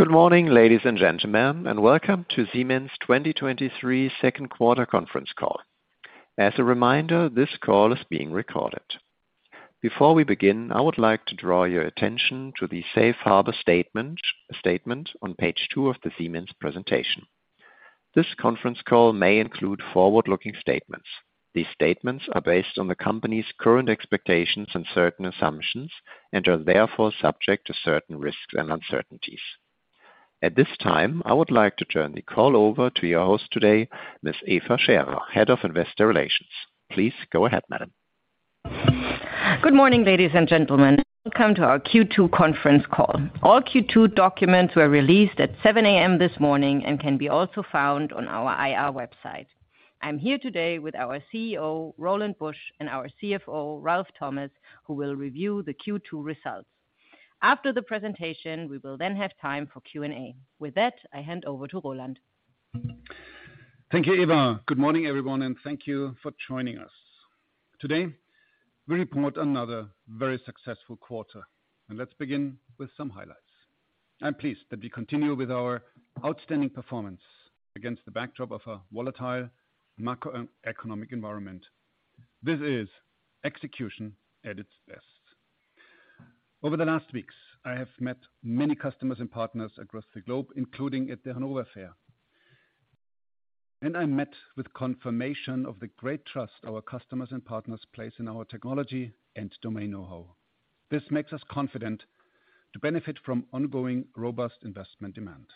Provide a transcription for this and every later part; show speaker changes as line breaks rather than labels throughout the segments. Good morning, ladies and gentlemen, and welcome to Siemens 2023 second quarter conference call. As a reminder, this call is being recorded. Before we begin, I would like to draw your attention to the safe harbor statement on page 2 of the Siemens presentation. This conference call may include forward-looking statements. These statements are based on the company's current expectations and certain assumptions, and are therefore subject to certain risks and uncertainties. At this time, I would like to turn the call over to your host today, Miss Eva Scherer, Head of Investor Relations. Please go ahead, madam.
Good morning, ladies and gentlemen. Welcome to our Q2 conference call. All Q2 documents were released at 7:00 A.M. this morning and can be also found on our IR website. I'm here today with our CEO Roland Busch and our CFO Ralf Thomas, who will review the Q2 results. After the presentation, we will then have time for Q&A. With that, I hand over to Roland.
Thank you, Eva. Good morning, everyone, thank you for joining us. Today, we report another very successful quarter, let's begin with some highlights. I'm pleased that we continue with our outstanding performance against the backdrop of a volatile macroeconomic environment. This is execution at its best. Over the last weeks, I have met many customers and partners across the globe, including at the Hanover Fair. I met with confirmation of the great trust our customers and partners place in our technology and domain know-howThis makes us confident to benefit from ongoing robust investment demand.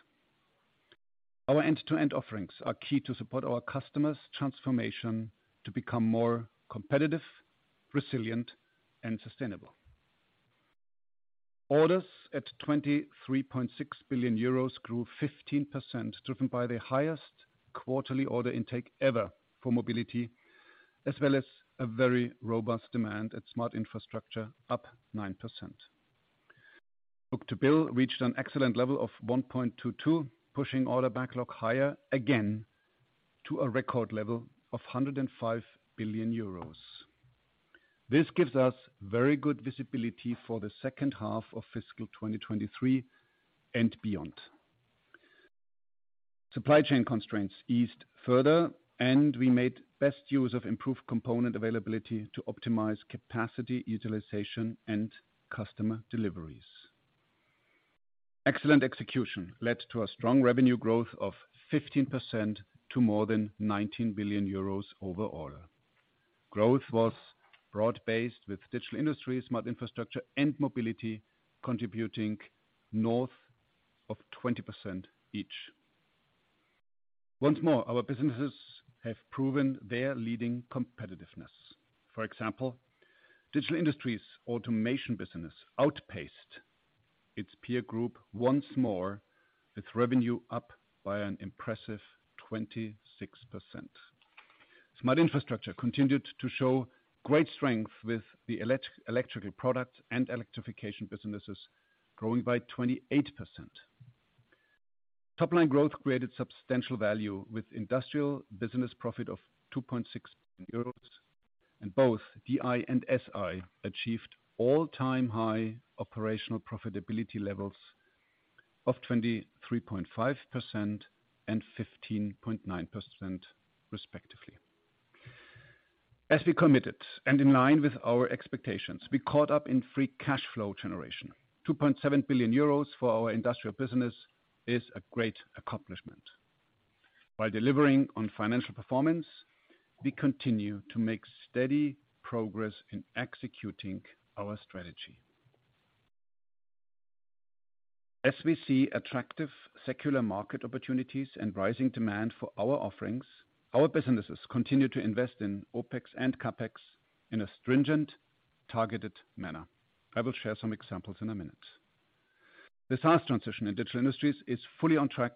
Our end-to-end offerings are key to support our customers' transformation to become more competitive, resilient, and sustainable. Orders at 23.6 billion euros grew 15%, driven by the highest quarterly order intake ever for mobility, as well as a very robust demand at Smart Infrastructure, up 9%. Book-to-bill reached an excellent level of 1.22, pushing order backlog higher again to a record level of 105 billion euros. This gives us very good visibility for the second half of fiscal 2023 and beyond. Supply chain constraints eased further, we made best use of improved component availability to optimize capacity, utilization, and customer deliveries. Excellent execution led to a strong revenue growth of 15% to more than 19 billion euros over order. Growth was broad-based with Digital Industries, Smart Infrastructure, and Mobility contributing north of 20% each. Once more, our businesses have proven their leading competitiveness. For example, Digital Industries automation business outpaced its peer group once more, with revenue up by an impressive 26%. Smart Infrastructure continued to show great strength with the electrical product and electrification businesses growing by 28%. Top-line growth created substantial value with industrial business profit of 2.6 billion euros, and both DI and SI achieved all-time high operational profitability levels of 23.5% and 15.9% respectively. As we committed, and in line with our expectations, we caught up in free cash flow generation. 2.7 billion euros for our industrial business is a great accomplishment. By delivering on financial performance, we continue to make steady progress in executing our strategy. As we see attractive secular market opportunities and rising demand for our offerings, our businesses continue to invest in OpEx and CapEx in a stringent, targeted manner. I will share some examples in a minute. The SaaS transition in Digital Industries is fully on track,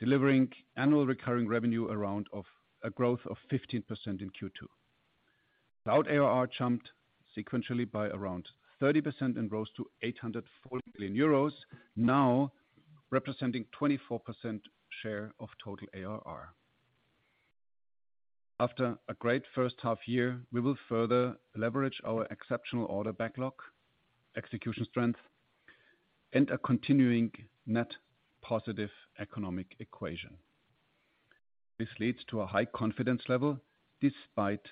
delivering annual recurring revenue around of a growth of 15% in Q2. Cloud ARR jumped sequentially by around 30% and rose to 840 million euros, now representing 24% share of total ARR. After a great first half year, we will further leverage our exceptional order backlog, execution strength, and a continuing net positive economic equation. This leads to a high confidence level despite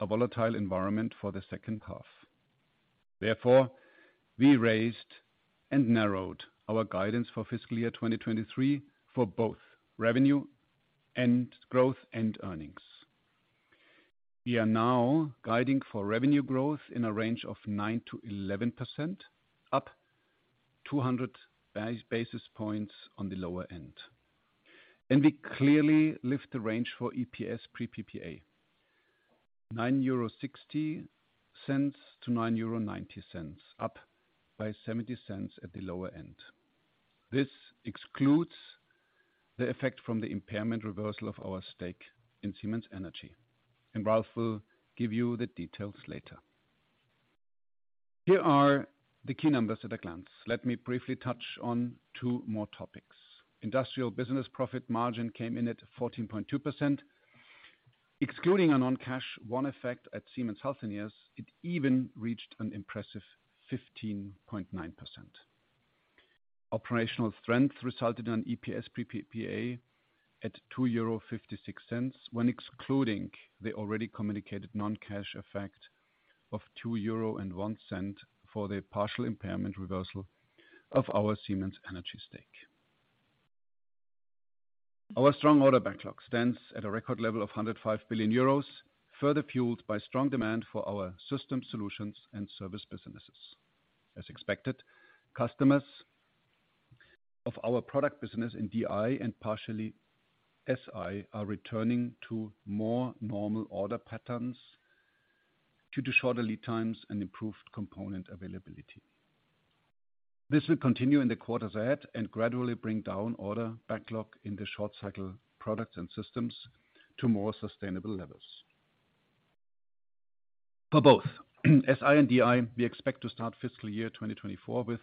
a volatile environment for the second half. Therefore, we raised and narrowed our guidance for fiscal year 2023 for both revenue and growth and earnings. We are now guiding for revenue growth in a range of 9%-11%, up 200 basis points on the lower end. We clearly lift the range for EPS pre PPA. 9.60-9.90 euro, up by 0.70 at the lower end. This excludes the effect from the impairment reversal of our stake in Siemens Energy. Ralf will give you the details later. Here are the key numbers at a glance. Let me briefly touch on two more topics. Industrial business profit margin came in at 14.2%. Excluding a non-cash one effect at Siemens Healthineers, it even reached an impressive 15.9%. Operational strength resulted in an EPS pre PPA at 2.56 euro when excluding the already communicated non-cash effect of 2.01 euro for the partial impairment reversal of our Siemens Energy stake. Our strong order backlog stands at a record level of 105 billion euros, further fueled by strong demand for our system solutions and service businesses. As expected, customers of our product business in DI and partially SI are returning to more normal order patterns due to shorter lead times and improved component availability. This will continue in the quarters ahead and gradually bring down order backlog in the short cycle products and systems to more sustainable levels. For both SI and DI, we expect to start fiscal year 2024 with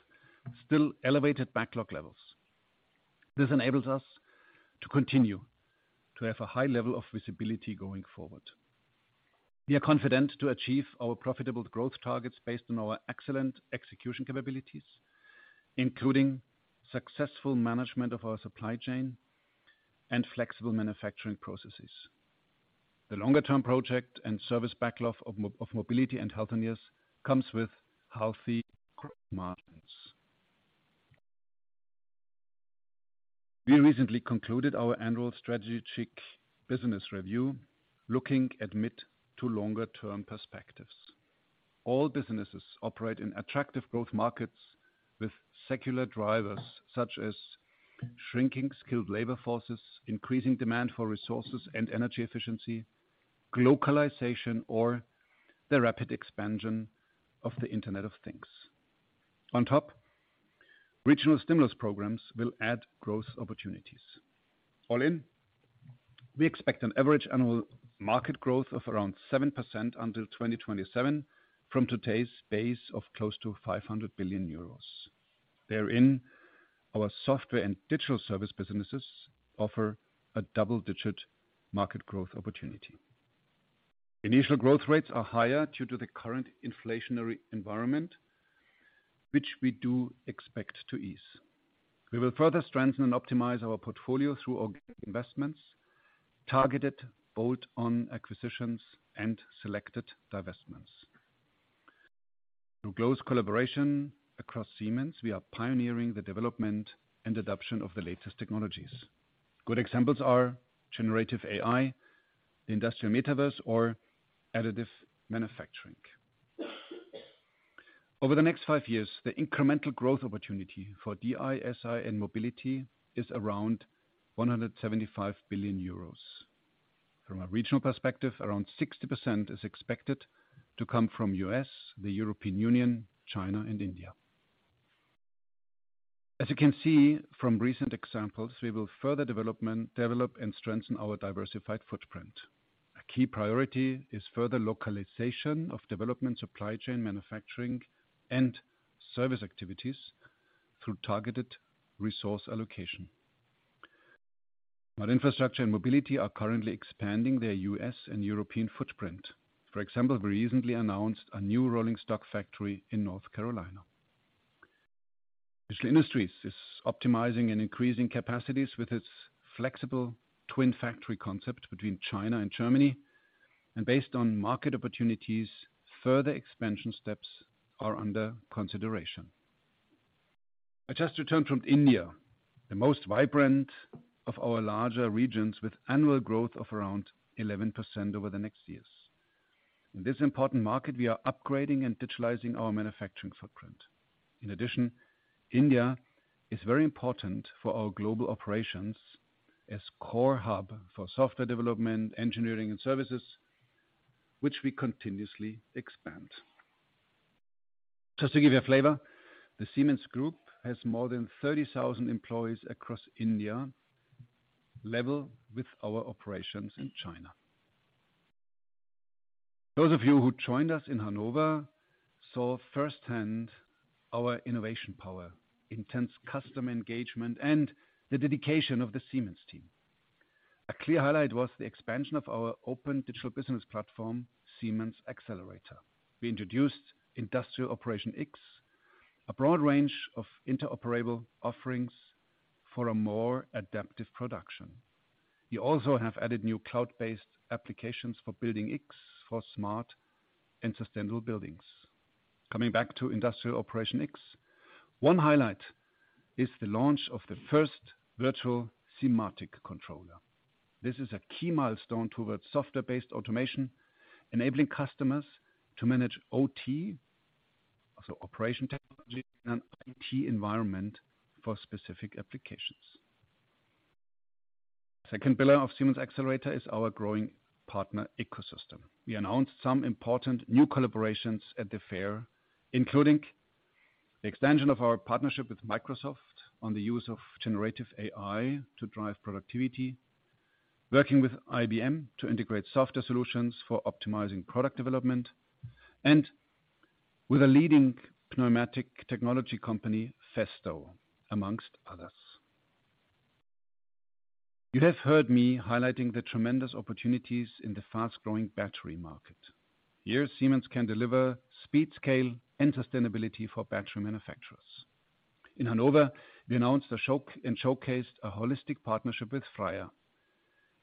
still elevated backlog levels. This enables us to continue to have a high level of visibility going forward. We are confident to achieve our profitable growth targets based on our excellent execution capabilities, including successful management of our supply chain and flexible manufacturing processes. The longer-term project and service backlog of Mobility and Healthineers comes with healthy margins. We recently concluded our annual strategic business review looking at mid to longer-term perspectives. All businesses operate in attractive growth markets with secular drivers such as shrinking skilled labor forces, increasing demand for resources and energy efficiency, globalization, or the rapid expansion of the Internet of Things. On top, regional stimulus programs will add growth opportunities. All in, we expect an average annual market growth of around 7% until 2027 from today's base of close to 500 billion euros. Therein, our software and digital service businesses offer a double-digit market growth opportunity. Initial growth rates are higher due to the current inflationary environment, which we do expect to ease. We will further strengthen and optimize our portfolio through organic investments, targeted bolt-on acquisitions, and selected divestments. Through close collaboration across Siemens, we are pioneering the development and adoption of the latest technologies. Good examples are generative AI, industrial metaverse or additive manufacturing. Over the next five years, the incremental growth opportunity for DI, SI and Mobility is around 175 billion euros. From a regional perspective, around 60% is expected to come from U.S., the European Union, China and India. As you can see from recent examples, we will further develop and strengthen our diversified footprint. A key priority is further localization of development, supply chain, manufacturing and service activities through targeted resource allocation. Rail Infrastructure and Mobility are currently expanding their U.S. and European footprint. For example, we recently announced a new rolling stock factory in North Carolina. Digital Industries is optimizing and increasing capacities with its flexible twin factory concept between China and Germany. Based on market opportunities, further expansion steps are under consideration. I just returned from India, the most vibrant of our larger regions with annual growth of around 11% over the next years. In this important market, we are upgrading and digitalizing our manufacturing footprint. In addition, India is very important for our global operations as core hub for software development, engineering, and services, which we continuously expand. Just to give you a flavor, the Siemens Group has more than 30,000 employees across India, level with our operations in China. Those of you who joined us in Hanover saw firsthand our innovation power, intense customer engagement, and the dedication of the Siemens team. A clear highlight was the expansion of our open digital business platform, Siemens Xcelerator. We introduced Industrial Operations X, a broad range of interoperable offerings for a more adaptive production. We also have added new cloud-based applications for Building X for smart and sustainable buildings. Coming back to Industrial Operations X, one highlight is the launch of the first virtual Simatic controller. This is a key milestone towards software-based automation, enabling customers to manage OT, also operation technology, in an IT environment for specific applications. Second pillar of Siemens Xcelerator is our growing partner ecosystem. We announced some important new collaborations at the fair, including the extension of our partnership with Microsoft on the use of generative AI to drive productivity, working with IBM to integrate software solutions for optimizing product development, With a leading pneumatic technology company, Festo, amongst others. You have heard me highlighting the tremendous opportunities in the fast-growing battery market. Here, Siemens can deliver speed, scale, and sustainability for battery manufacturers. In Hanover, we announced and showcased a holistic partnership with Freyr.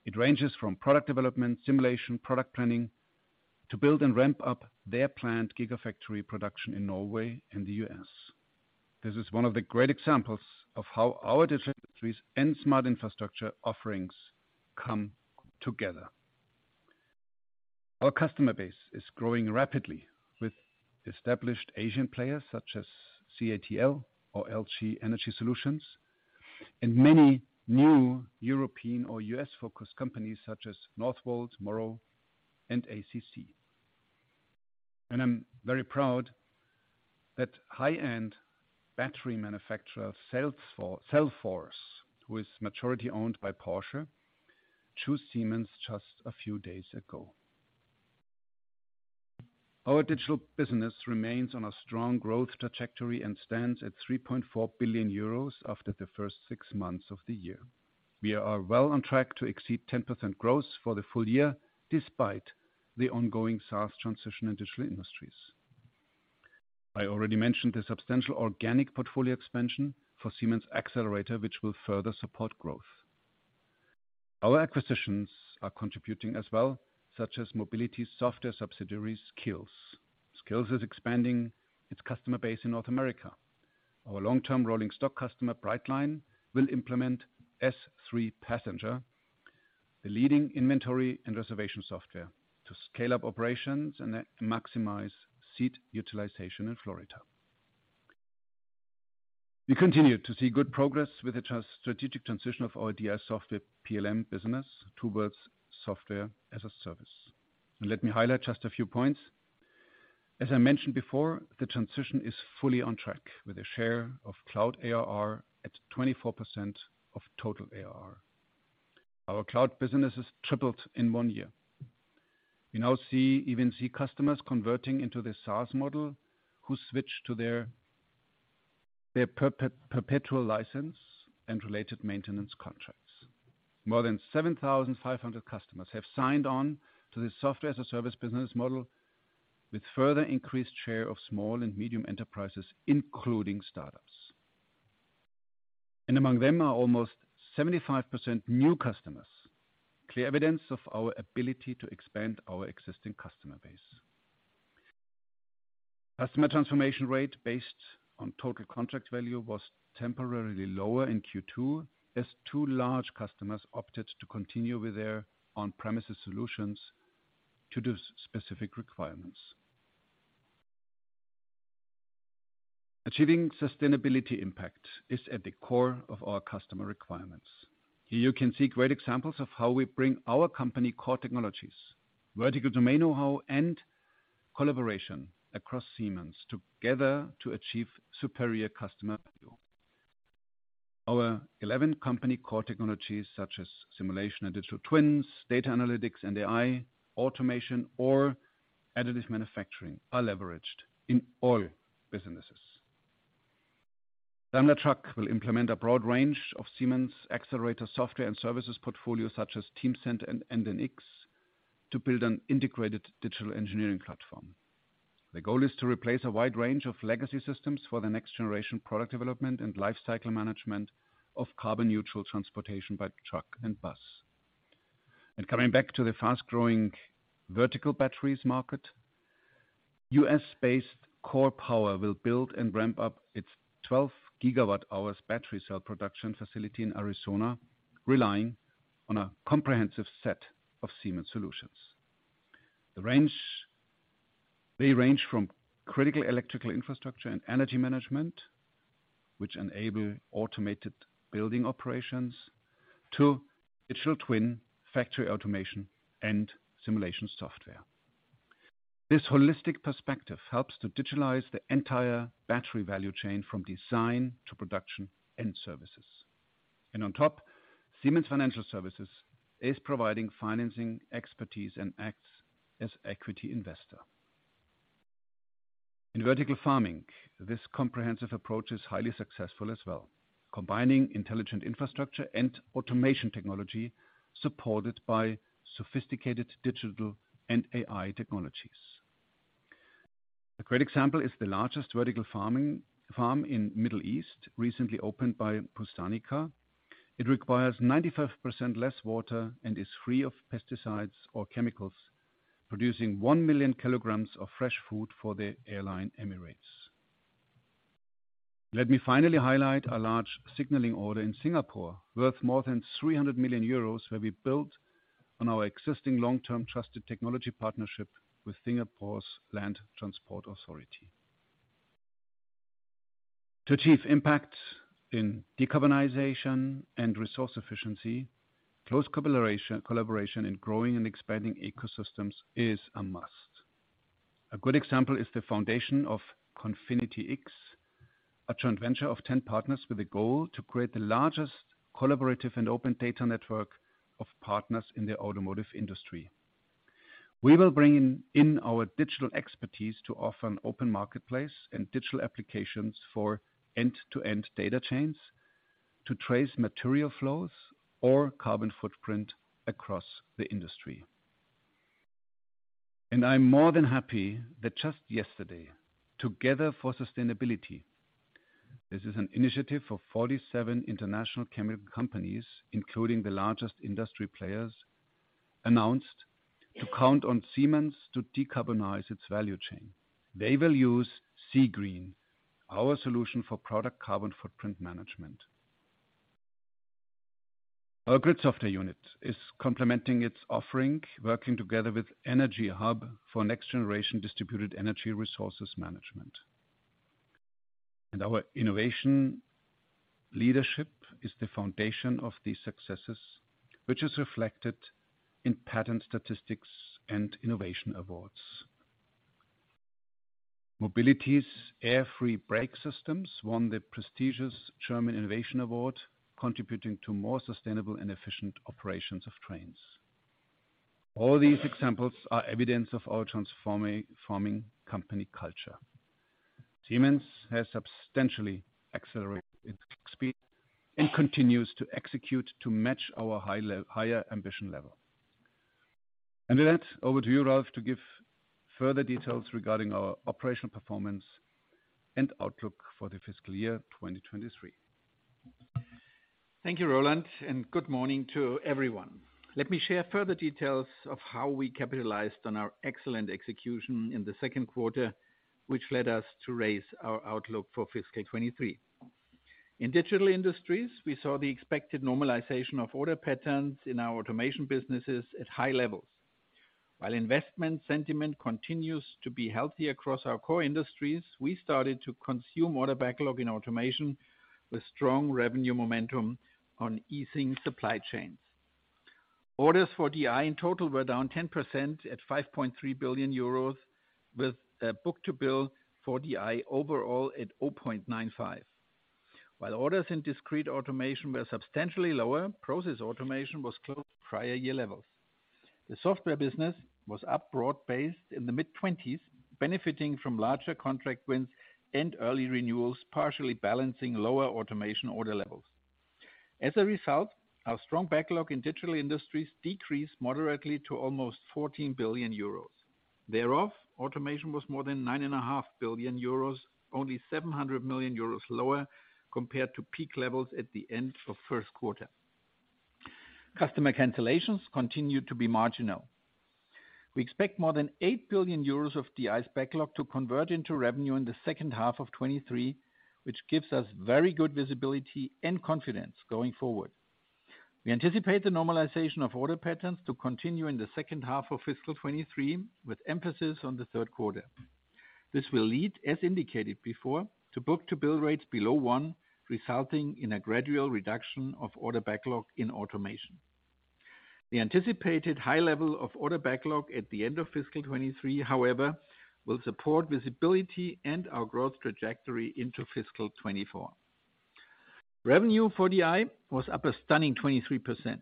It ranges from product development, simulation, product planning to build and ramp up their planned gigafactory production in Norway and the US. This is one of the great examples of how our Digital Industries and Smart Infrastructure offerings come together. Our customer base is growing rapidly with established Asian players such as CATL or LG Energy Solution, and many new European or US-focused companies such as Northvolt, Morrow, and ACC. I'm very proud that high-end battery manufacturer Cellforce, who is majority-owned by Porsche, choose Siemens just a few days ago. Our digital business remains on a strong growth trajectory and stands at 3.4 billion euros after the first six months of the year. We are well on track to exceed 10% growth for the full year despite the ongoing SaaS transition in Digital Industries. I already mentioned the substantial organic portfolio expansion for Siemens Xcelerator, which will further support growth. Our acquisitions are contributing as well, such as mobility software subsidiary, Sqills. Sqills is expanding its customer base in North America. Our long-term rolling stock customer, Brightline, will implement S3 Passenger, the leading inventory and reservation software, to scale up operations and maximize seat utilization in Florida. We continue to see good progress with the strategic transition of our DI software PLM business towards software-as-a-service. Let me highlight just a few points. As I mentioned before, the transition is fully on track with a share of cloud ARR at 24% of total ARR. Our cloud business has tripled in one year. We now see even see customers converting into the SaaS model who switched to their perpetual license and related maintenance contracts. More than 7,500 customers have signed on to the Software as a Service business model with further increased share of small and medium enterprises, including startups. Among them are almost 75% new customers, clear evidence of our ability to expand our existing customer base. Customer transformation rate based on total contract value was temporarily lower in Q2 as two large customers opted to continue with their on-premises solutions to those specific requirements. Achieving sustainability impact is at the core of our customer requirements. Here you can see great examples of how we bring our company core technologies, vertical domain know-how, and collaboration across Siemens together to achieve superior customer value. Our 11 company core technologies, such as simulation and digital twins, data analytics and AI, automation or additive manufacturing, are leveraged in all businesses. Daimler Truck will implement a broad range of Siemens Xcelerator software and services portfolio such as Teamcenter and NX to build an integrated digital engineering platform. The goal is to replace a wide range of legacy systems for the next-generation product development and lifecycle management of carbon-neutral transportation by truck and bus. Coming back to the fast-growing vertical batteries market, US-based KORE Power will build and ramp up its 12 gigawatt hours battery cell production facility in Arizona, relying on a comprehensive set of Siemens solutions. They range from critical electrical infrastructure and energy management, which enable automated building operations, to digital twin factory automation and simulation software. This holistic perspective helps to digitalize the entire battery value chain from design to production and services. On top, Siemens Financial Services is providing financing expertise and acts as equity investor. In vertical farming, this comprehensive approach is highly successful as well, combining intelligent infrastructure and automation technology supported by sophisticated digital and AI technologies. A great example is the largest vertical farming farm in Middle East, recently opened by Bustanica. It requires 95% less water and is free of pesticides or chemicals, producing 1 million kilograms of fresh food for the airline Emirates. Let me finally highlight a large signaling order in Singapore, worth more than 300 million euros, where we built on our existing long-term trusted technology partnership with Singapore's Land Transport Authority. To achieve impact in decarbonization and resource efficiency, close collaboration in growing and expanding ecosystems is a must. A good example is the foundation of Cofinity-X a joint venture of 10 partners with a goal to create the largest collaborative and open data network of partners in the automotive industry. I'm more than happy that just yesterday, Together for Sustainability, this is an initiative of 47 international chemical companies, including the largest industry players, announced to count on Siemens to decarbonize its value chain. They will use SiGreen, our solution for product carbon footprint management. Our grid software unit is complementing its offering, working together with EnergyHub for next generation distributed energy resources management. Our innovation leadership is the foundation of these successes, which is reflected in patent statistics and innovation awards. Mobility's air-free brake systems won the prestigious German Innovation Award, contributing to more sustainable and efficient operations of trains. All these examples are evidence of our transforming, forming company culture. Siemens has substantially accelerated its speed and continues to execute to match our higher ambition level. With that, over to you, Ralf, to give further details regarding our operational performance and outlook for the fiscal year 2023.
Thank you, Roland, and good morning to everyone. Let me share further details of how we capitalized on our excellent execution in the second quarter, which led us to raise our outlook for fiscal 2023. In Digital Industries, we saw the expected normalization of order patterns in our automation businesses at high levels. While investment sentiment continues to be healthy across our core industries, we started to consume order backlog in automation with strong revenue momentum on easing supply chains. Orders for DI in total were down 10% at 5.3 billion euros, with a book-to-bill for DI overall at 0.95. While orders in discrete automation were substantially lower, process automation was close to prior year levels. The software business was up broad-based in the mid-20s, benefiting from larger contract wins and early renewals, partially balancing lower automation order levels. As a result, our strong backlog in Digital Industries decreased moderately to almost 14 billion euros. Thereof, automation was more than 9.5 billion euros, only 700 million euros lower compared to peak levels at the end of first quarter. Customer cancellations continued to be marginal. We expect more than 8 billion euros of DI's backlog to convert into revenue in the second half of 23, which gives us very good visibility and confidence going forward. We anticipate the normalization of order patterns to continue in the second half of fiscal 23, with emphasis on the third quarter. This will lead, as indicated before, to book-to-bill rates below 1, resulting in a gradual reduction of order backlog in automation. The anticipated high level of order backlog at the end of fiscal 23, however, will support visibility and our growth trajectory into fiscal 24. Revenue for DI was up a stunning 23%.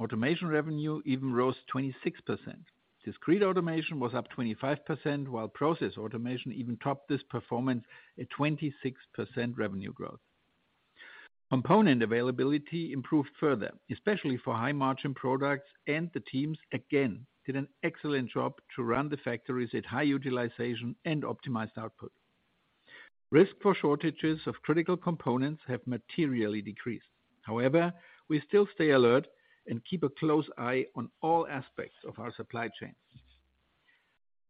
Automation revenue even rose 26%. Discrete automation was up 25%, while process automation even topped this performance at 26% revenue growth. Component availability improved further, especially for high-margin products, and the teams again, did an excellent job to run the factories at high utilization and optimized output. Risk for shortages of critical components have materially decreased. We still stay alert and keep a close eye on all aspects of our supply chains.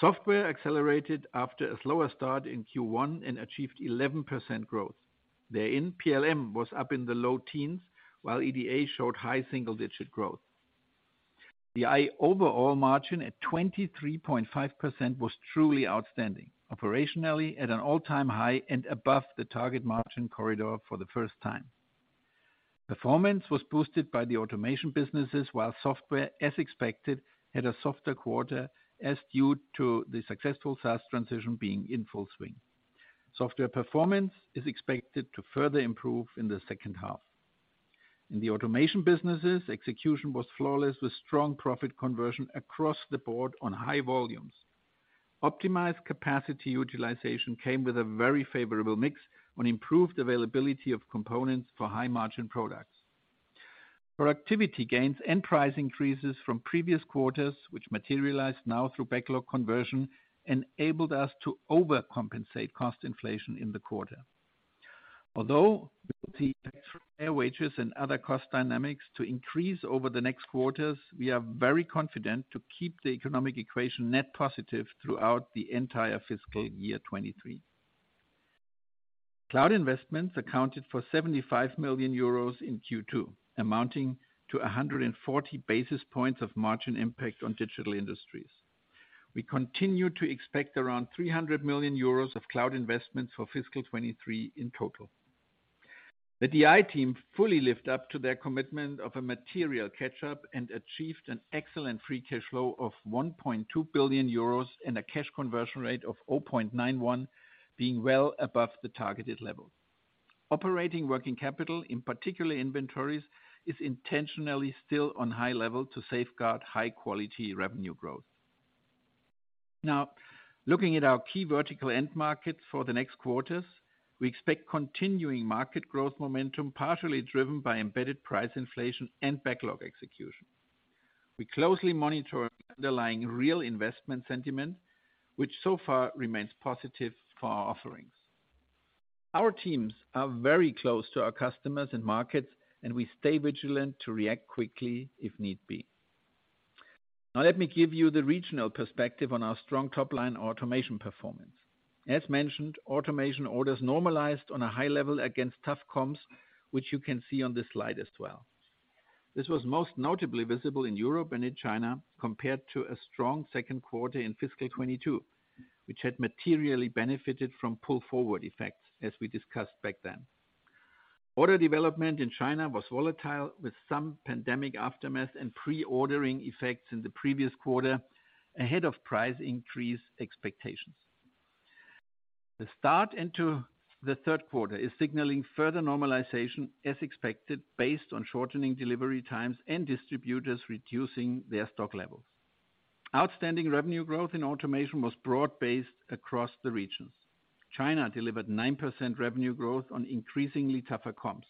Software accelerated after a slower start in Q1 and achieved 11% growth. Therein, PLM was up in the low teens, while EDA showed high single-digit growth. The overall margin at 23.5% was truly outstanding, operationally at an all-time high and above the target margin corridor for the first time. Performance was boosted by the automation businesses, while software, as expected, had a softer quarter as due to the successful SaaS transition being in full swing. Software performance is expected to further improve in the second half. In the automation businesses, execution was flawless with strong profit conversion across the board on high volumes. Optimized capacity utilization came with a very favorable mix on improved availability of components for high-margin products. Productivity gains and price increases from previous quarters, which materialized now through backlog conversion, enabled us to overcompensate cost inflation in the quarter. Although wages and other cost dynamics to increase over the next quarters, we are very confident to keep the economic equation net positive throughout the entire fiscal year 2023. Cloud investments accounted for 75 million euros in Q2, amounting to 140 basis points of margin impact on Digital Industries. We continue to expect around 300 million euros of cloud investments for fiscal 2023 in total. The DI team fully lived up to their commitment of a material catch-up and achieved an excellent free cash flow of 1.2 billion euros and a cash conversion rate of 0.91, being well above the targeted level. Operating working capital, in particular inventories, is intentionally still on high level to safeguard high-quality revenue growth. Looking at our key vertical end markets for the next quarters, we expect continuing market growth momentum, partially driven by embedded price inflation and backlog execution. We closely monitor underlying real investment sentiment, which so far remains positive for our offerings. Our teams are very close to our customers and markets, and we stay vigilant to react quickly if need be. Now let me give you the regional perspective on our strong top-line automation performance. As mentioned, automation orders normalized on a high level against tough comps, which you can see on this slide as well. This was most notably visible in Europe and in China compared to a strong second quarter in fiscal 2022, which had materially benefited from pull-forward effects, as we discussed back then. Order development in China was volatile, with some pandemic aftermath and pre-ordering effects in the previous quarter ahead of price increase expectations. The start into the third quarter is signaling further normalization as expected, based on shortening delivery times and distributors reducing their stock levels. Outstanding revenue growth in automation was broad-based across the regions. China delivered 9% revenue growth on increasingly tougher comps.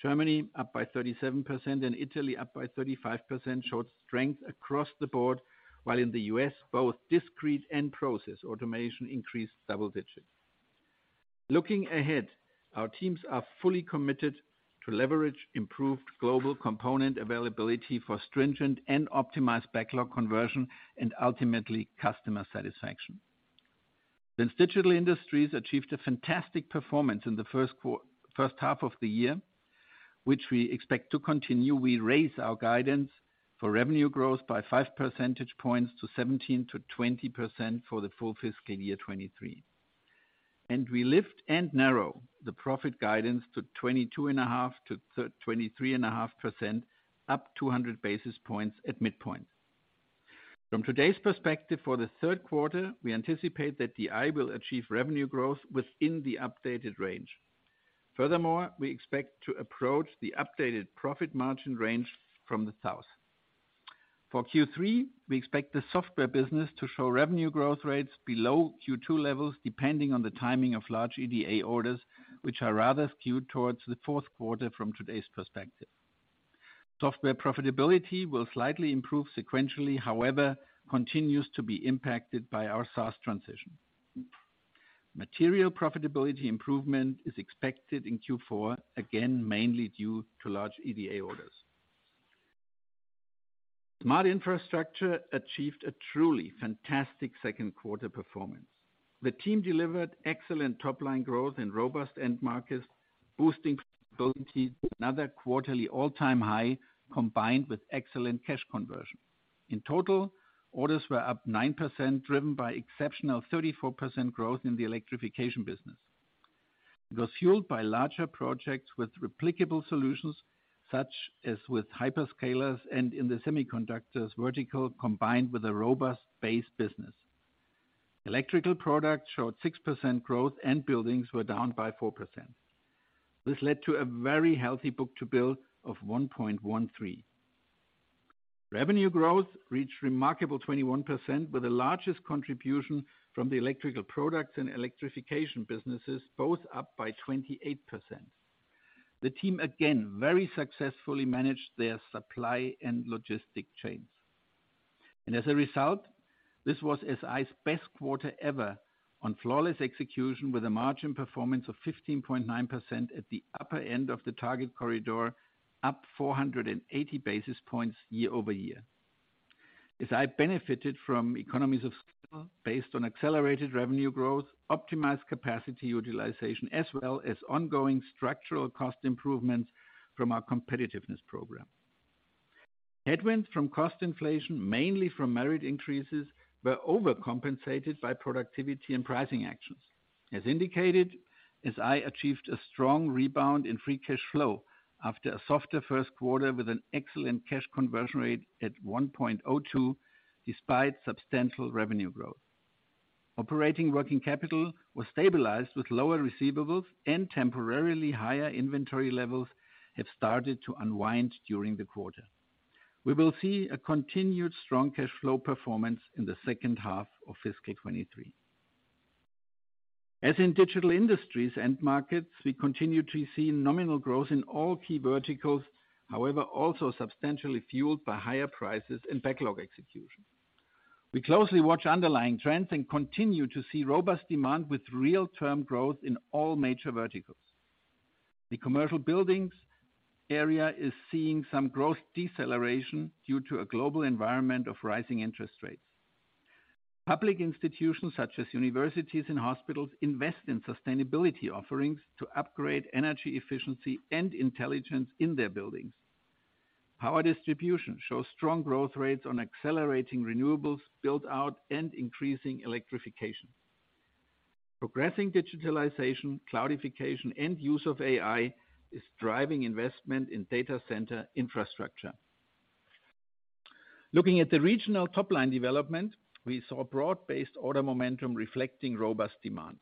Germany up by 37% and Italy up by 35% showed strength across the board, while in the U.S., both discrete and process automation increased double digits. Looking ahead, our teams are fully committed to leverage improved global component availability for stringent and optimized backlog conversion and ultimately customer satisfaction. Since Digital Industries achieved a fantastic performance in the first half of the year, which we expect to continue, we raise our guidance for revenue growth by 5 percentage points to 17%-20% for the full fiscal year 2023. We lift and narrow the profit guidance to 22.5%-23.5%, up 200 basis points at midpoint. From today's perspective for the third quarter, we anticipate that DI will achieve revenue growth within the updated range. We expect to approach the updated profit margin range from the south. For Q3, we expect the software business to show revenue growth rates below Q2 levels, depending on the timing of large EDA orders, which are rather skewed towards the fourth quarter from today's perspective. Software profitability will slightly improve sequentially, however, continues to be impacted by our SaaS transition. Material profitability improvement is expected in Q4, again, mainly due to large EDA orders. Smart Infrastructure achieved a truly fantastic second quarter performance. The team delivered excellent top-line growth in robust end markets, boosting profitability to another quarterly all-time high, combined with excellent cash conversion. In total, orders were up 9%, driven by exceptional 34% growth in the electrification business. It was fueled by larger projects with replicable solutions, such as with hyperscalers and in the semiconductors vertical, combined with a robust base business. Electrical products showed 6% growth. Buildings were down by 4%. This led to a very healthy book-to-bill of 1.13. Revenue growth reached remarkable 21%, with the largest contribution from the electrical products and electrification businesses, both up by 28%. The team again very successfully managed their supply and logistics chains. As a result, this was SI's best quarter ever on flawless execution with a margin performance of 15.9% at the upper end of the target corridor, up 480 basis points year-over-year. SI benefited from economies of scale based on accelerated revenue growth, optimized capacity utilization, as well as ongoing structural cost improvements from our competitiveness program. Headwinds from cost inflation, mainly from merit increases, were overcompensated by productivity and pricing actions. As indicated, SI achieved a strong rebound in free cash flow after a softer first quarter with an excellent cash conversion rate at 1.02, despite substantial revenue growth. Operating working capital was stabilized with lower receivables and temporarily higher inventory levels have started to unwind during the quarter. We will see a continued strong cash flow performance in the second half of fiscal 2023. As in Digital Industries end markets, we continue to see nominal growth in all key verticals, however, also substantially fueled by higher prices and backlog execution. We closely watch underlying trends and continue to see robust demand with real term growth in all major verticals. The commercial buildings area is seeing some growth deceleration due to a global environment of rising interest rates. Public institutions such as universities and hospitals invest in sustainability offerings to upgrade energy efficiency and intelligence in their buildings. Power distribution shows strong growth rates on accelerating renewables, build out and increasing electrification. Progressing digitalization, cloudification and use of AI is driving investment in data center infrastructure. Looking at the regional top line development, we saw broad-based order momentum reflecting robust demand.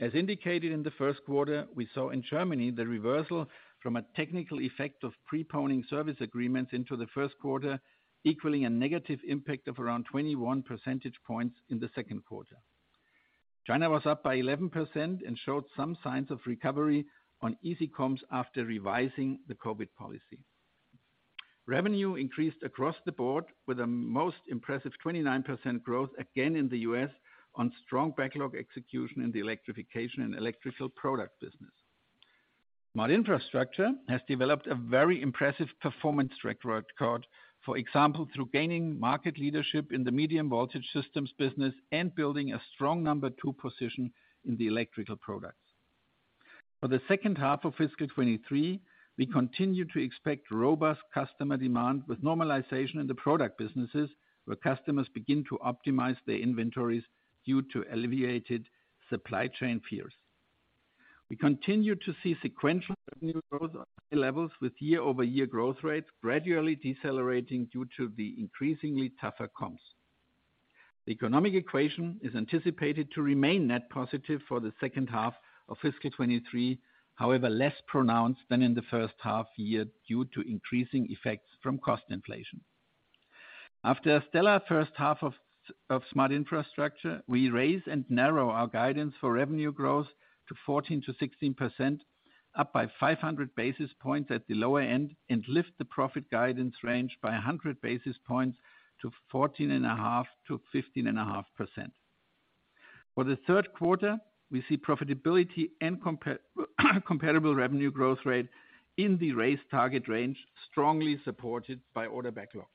As indicated in the first quarter, we saw in Germany the reversal from a technical effect of preponing service agreements into the first quarter, equaling a negative impact of around 21 percentage points in the second quarter. China was up by 11% and showed some signs of recovery on easy comps after revising the COVID policy. Revenue increased across the board with a most impressive 29% growth again in the U.S. on strong backlog execution in the electrification and electrical product business. Smart Infrastructure has developed a very impressive performance track record. For example, through gaining market leadership in the medium voltage systems business and building a strong number two position in the electrical products. For the second half of fiscal 2023, we continue to expect robust customer demand with normalization in the product businesses, where customers begin to optimize their inventories due to alleviated supply chain fears. We continue to see sequential revenue growth on high levels with year-over-year growth rates gradually decelerating due to the increasingly tougher comps. The economic equation is anticipated to remain net positive for the second half of fiscal 2023, however, less pronounced than in the first half year due to increasing effects from cost inflation. After a stellar first half of Smart Infrastructure, we raise and narrow our guidance for revenue growth to 14%-16%, up by 500 basis points at the lower end, and lift the profit guidance range by 100 basis points to 14.5%-15.5%. For the third quarter, we see profitability and comparable revenue growth rate in the raised target range, strongly supported by order backlog.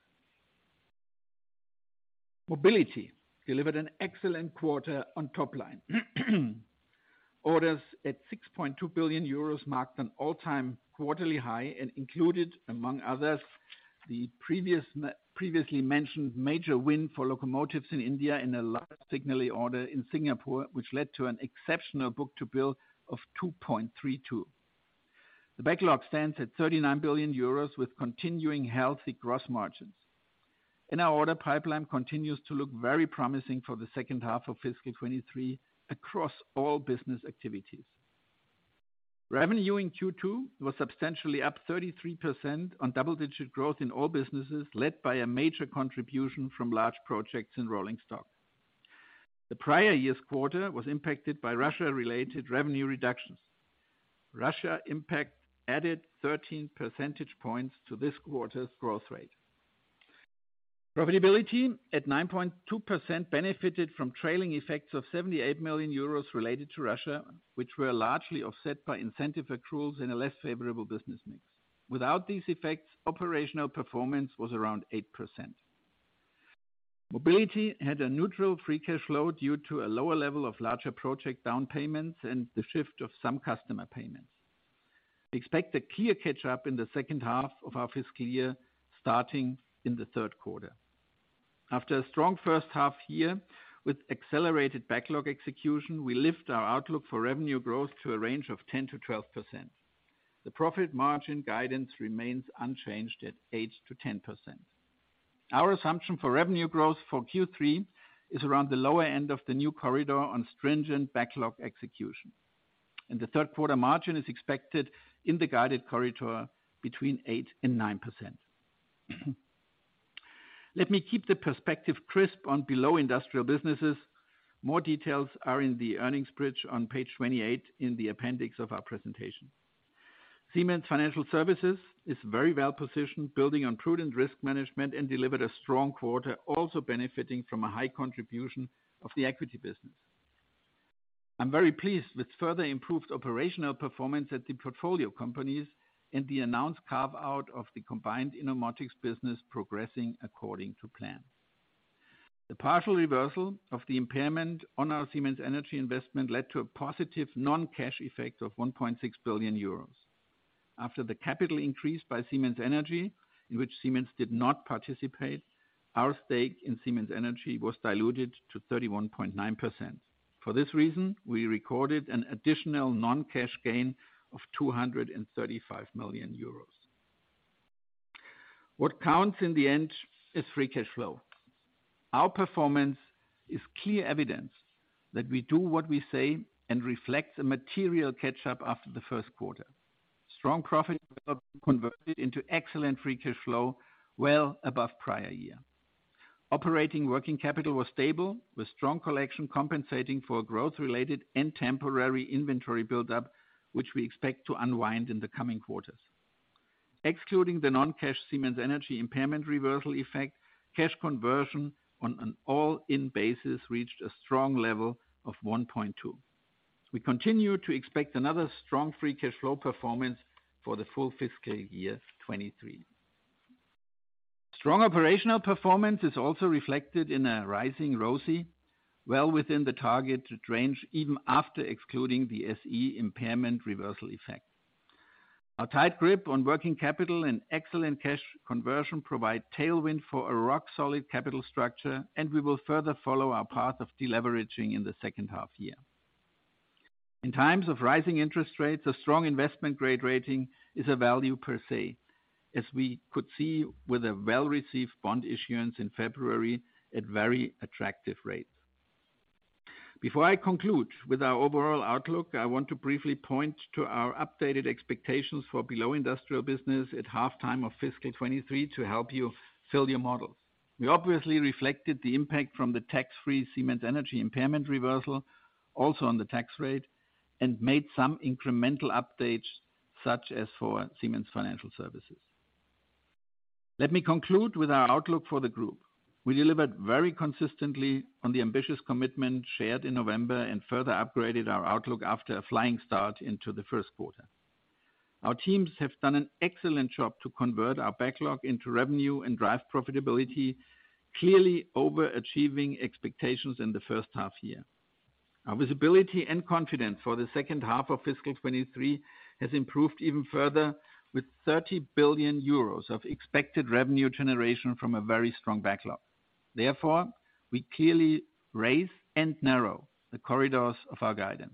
Mobility delivered an excellent quarter on top line. Orders at 6.2 billion euros marked an all-time quarterly high and included, among others, the previously mentioned major win for locomotives in India in a large signaling order in Singapore, which led to an exceptional book-to-bill of 2.32. The backlog stands at 39 billion euros with continuing healthy gross margins. Our order pipeline continues to look very promising for the second half of fiscal 2023 across all business activities. Revenue in Q2 was substantially up 33% on double-digit growth in all businesses, led by a major contribution from large projects in rolling stock. The prior year's quarter was impacted by Russia-related revenue reductions. Russia impact added 13 percentage points to this quarter's growth rate. Profitability at 9.2% benefited from trailing effects of 78 million euros related to Russia, which were largely offset by incentive accruals in a less favorable business mix. Without these effects, operational performance was around 8%. Mobility had a neutral free cash flow due to a lower level of larger project down payments and the shift of some customer payments. We expect a clear catch up in the second half of our fiscal year, starting in the third quarter. After a strong first half year with accelerated backlog execution, we lift our outlook for revenue growth to a range of 10%-12%. The profit margin guidance remains unchanged at 8%-10%. Our assumption for revenue growth for Q3 is around the lower end of the new corridor on stringent backlog execution. The third quarter margin is expected in the guided corridor between 8% and 9%. Let me keep the perspective crisp on below industrial businesses. More details are in the earnings bridge on page 28 in the appendix of our presentation. Siemens Financial Services is very well positioned, building on prudent risk management and delivered a strong quarter, also benefiting from a high contribution of the equity business. I'm very pleased with further improved operational performance at the portfolio companies and the announced carve-out of the combined Innomotics business progressing according to plan. The partial reversal of the impairment on our Siemens Energy investment led to a positive non-cash effect of 1.6 billion euros. After the capital increase by Siemens Energy, in which Siemens did not participate, our stake in Siemens Energy was diluted to 31.9%. For this reason, we recorded an additional non-cash gain of 235 million euros. What counts in the end is free cash flow. Our performance is clear evidence that we do what we say and reflects a material catch up after the first quarter. Strong profit development converted into excellent free cash flow well above prior year. Operating working capital was stable with strong collection compensating for growth-related and temporary inventory buildup, which we expect to unwind in the coming quarters. Excluding the non-cash Siemens Energy impairment reversal effect, cash conversion on an all-in basis reached a strong level of 1.2. We continue to expect another strong free cash flow performance for the full fiscal year 23. Strong operational performance is also reflected in a rising ROCE, well within the targeted range, even after excluding the SE impairment reversal effect. Our tight grip on working capital and excellent cash conversion provide tailwind for a rock solid capital structure, and we will further follow our path of deleveraging in the second half year. In times of rising interest rates, a strong investment grade rating is a value per se, as we could see with a well-received bond issuance in February at very attractive rates. Before I conclude with our overall outlook, I want to briefly point to our updated expectations for below industrial business at halftime of fiscal 23 to help you fill your models. We obviously reflected the impact from the tax-free Siemens Energy impairment reversal also on the tax rate, and made some incremental updates, such as for Siemens Financial Services. Let me conclude with our outlook for the group. We delivered very consistently on the ambitious commitment shared in November and further upgraded our outlook after a flying start into the 1st quarter. Our teams have done an excellent job to convert our backlog into revenue and drive profitability, clearly overachieving expectations in the 1st half year. Our visibility and confidence for the 2nd half of fiscal 23 has improved even further, with 30 billion euros of expected revenue generation from a very strong backlog. We clearly raise and narrow the corridors of our guidance.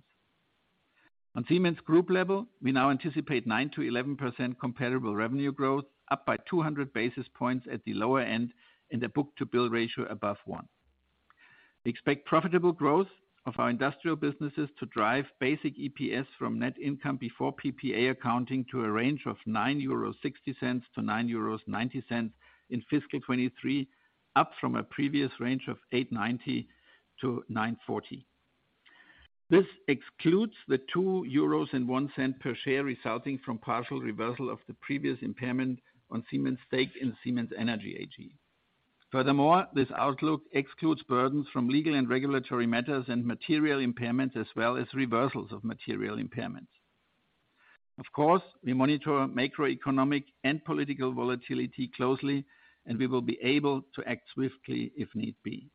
On Siemens Group level, we now anticipate 9%-11% comparable revenue growth, up by 200 basis points at the lower end, and a book-to-bill ratio above 1. We expect profitable growth of our industrial businesses to drive basic EPS from net income before PPA accounting to a range of 9.60-9.90 euro in fiscal 2023, up from a previous range of 8.90-9.40. This excludes the 2.01 euros per share resulting from partial reversal of the previous impairment on Siemens stake in Siemens Energy AG. This outlook excludes burdens from legal and regulatory matters and material impairments, as well as reversals of material impairments. We monitor macroeconomic and political volatility closely, and we will be able to act swiftly if need be.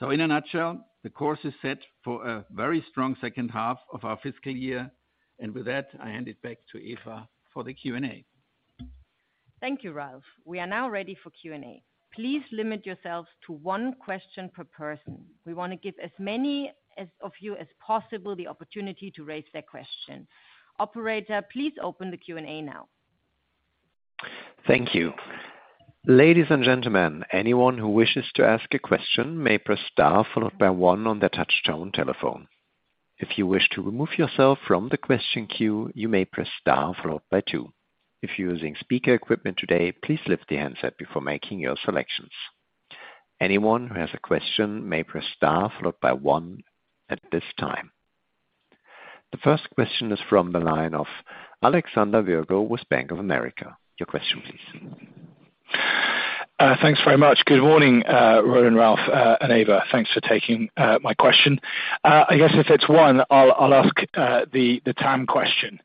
In a nutshell, the course is set for a very strong second half of our fiscal year. With that, I hand it back to Eva for the Q&A.
Thank you, Ralph. We are now ready for Q&A. Please limit yourselves to one question per person. We want to give as many as of you as possible the opportunity to raise that question. Operator, please open the Q&A now.
Thank you. Ladies and gentlemen. Anyone who wishes to ask a question may press star followed by one on their touchtone telephone. If you wish to remove yourself from the question queue, you may press star followed by two. If you're using speaker equipment today, please lift the handset before making your selections. Anyone who has a question may press star followed by one at this time. The first question is from the line of Alexander Virgo with Bank of America. Your question, please.
Thanks very much. Good morning, Roland, Ralph, and Eva. Thanks for taking my question. I guess if it's one, I'll ask the TAM question.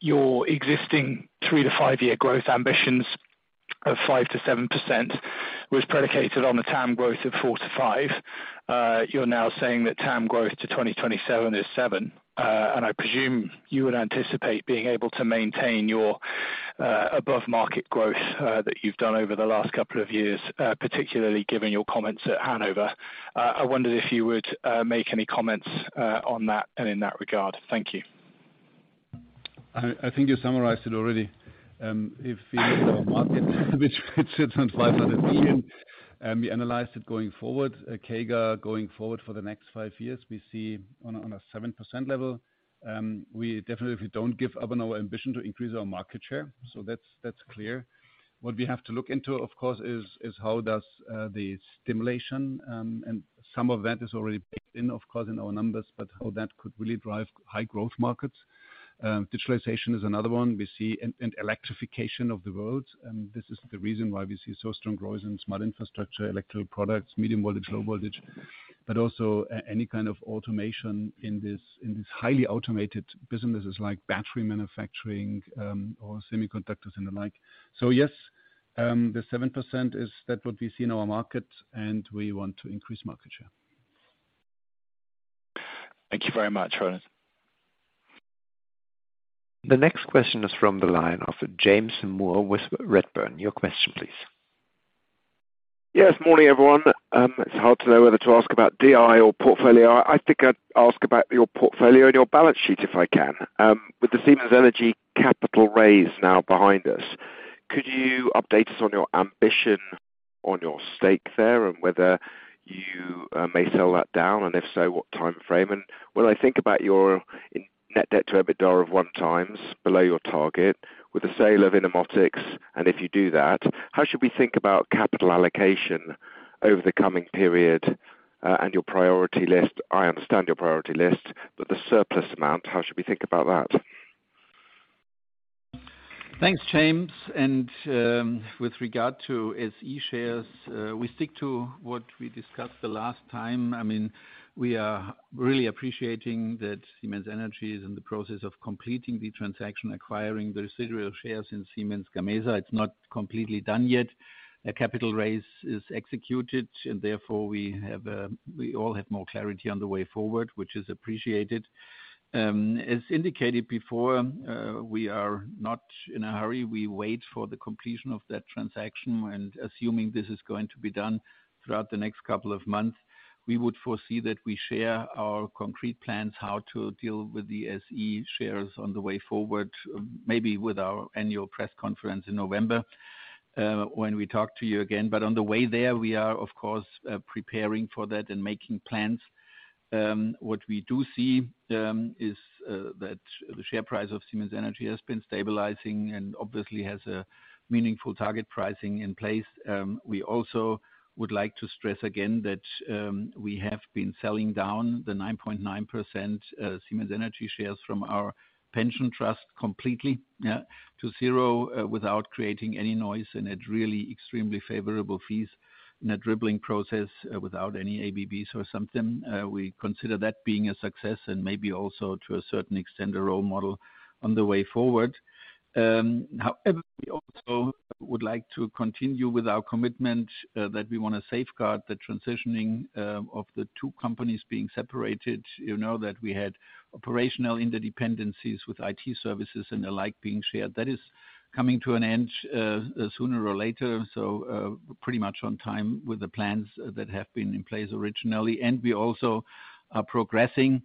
Your existing three to five-year growth ambitions of 5%-7% was predicated on the TAM growth of 4%-5%. You're now saying that TAM growth to 2027 is 7%. And I presume you would anticipate being able to maintain your above market growth that you've done over the last couple of years, particularly given your comments at Hanover. I wondered if you would make any comments on that and in that regard. Thank you.
I think you summarized it already. If we look at our market which sits on 500 billion, and we analyzed it going forward, a CAGR going forward for the next 5 years, we see on a 7% level. We definitely don't give up on our ambition to increase our market share. That's, that's clear. What we have to look into, of course, is how does the stimulation, and some of that is already baked in, of course, in our numbers, but how that could really drive high growth markets. Digitalization is another one we see and electrification of the world. This is the reason why we see so strong growth in Smart Infrastructure, electrical products, medium voltage, low voltage, but also any kind of automation in this, in this highly automated businesses like battery manufacturing, or semiconductors and the like. Yes, the 7% is that what we see in our market and we want to increase market share.
Thank you very much, Roland.
The next question is from the line of James Moore with Redburn. Your question, please.
Yes, morning, everyone. It's hard to know whether to ask about DI or portfolio. I think I'd ask about your portfolio and your balance sheet, if I can. With the Siemens Energy capital raise now behind us, could you update us on your ambition on your stake there and whether you may sell that down? If so, what time frame? When I think about your net debt to EBITDA of 1x below your target with the sale of Innomotics, if you do that, how should we think about capital allocation over the coming period and your priority list? I understand your priority list, but the surplus amount, how should we think about that?
Thanks, James. With regard to SE shares, we stick to what we discussed the last time. I mean, we are really appreciating that Siemens Energy is in the process of completing the transaction, acquiring the residual shares in Siemens Gamesa. It's not completely done yet. A capital raise is executed, and therefore we have, we all have more clarity on the way forward, which is appreciated. As indicated before, we are not in a hurry. We wait for the completion of that transaction, and assuming this is going to be done throughout the next couple of months, we would foresee that we share our concrete plans, how to deal with the SE shares on the way forward, maybe with our annual press conference in November, when we talk to you again. On the way there, we are of course, preparing for that and making plans. What we do see, is that the share price of Siemens Energy has been stabilizing and obviously has a meaningful target pricing in place. We also would like to stress again that we have been selling down the 9.9% Siemens Energy shares from our pension trust completely, yeah, to 0 without creating any noise and at really extremely favorable fees in a dribbling process without any ABBs or something. We consider that being a success and maybe also to a certain extent, a role model on the way forward. We also would like to continue with our commitment that we wanna safeguard the transitioning of the two companies being separated. You know that we had operational interdependencies with IT services and the like being shared. That is coming to an end, sooner or later, so, pretty much on time with the plans that have been in place originally. We also are progressing,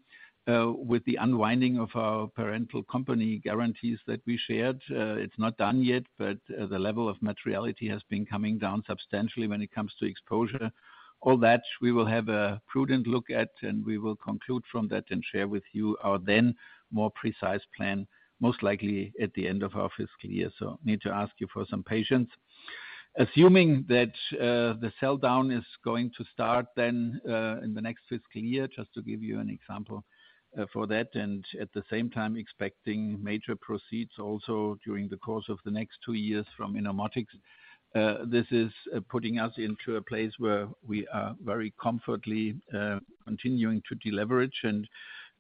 with the unwinding of our parental company guarantees that we shared. It's not done yet, but the level of materiality has been coming down substantially when it comes to exposure. All that we will have a prudent look at, and we will conclude from that and share with you our then more precise plan, most likely at the end of our fiscal year. Need to ask you for some patience. Assuming that the sell-down is going to start then in the next fiscal year, just to give you an example for that, and at the same time expecting major proceeds also during the course of the next 2 years from Innomotics, this is putting us into a place where we are very comfortably continuing to deleverage.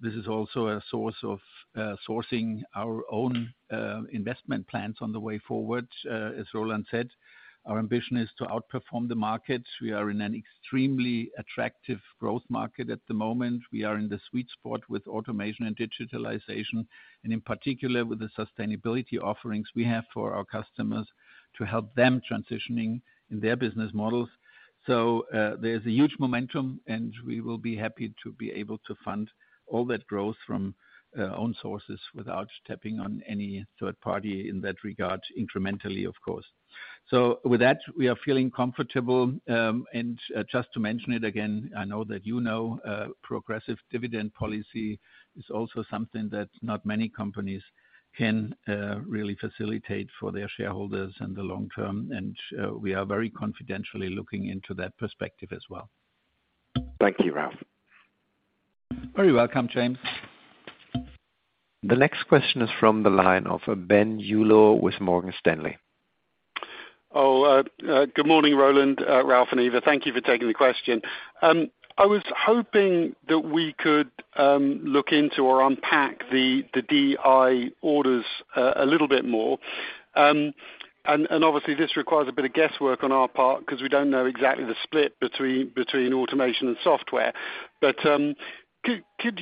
This is also a source of sourcing our own investment plans on the way forward. As Roland said, our ambition is to outperform the markets. We are in an extremely attractive growth market at the moment. We are in the sweet spot with automation and digitalization, and in particular with the sustainability offerings we have for our customers to help them transitioning in their business models. There's a huge momentum, and we will be happy to be able to fund all that growth from own sources without stepping on any third party in that regard, incrementally, of course. With that, we are feeling comfortable, and just to mention it again, I know that you know, progressive dividend policy is also something that not many companies can really facilitate for their shareholders in the long term. We are very confidentially looking into that perspective as well.
Thank you, Ralf.
Very welcome, James.
The next question is from the line of Ben Uglow with Morgan Stanley.
Good morning, Roland, Ralf, and Eva. Thank you for taking the question. I was hoping that we could look into or unpack the DI orders a little bit more. Obviously this requires a bit of guesswork on our part 'cause we don't know exactly the split between automation and software. Could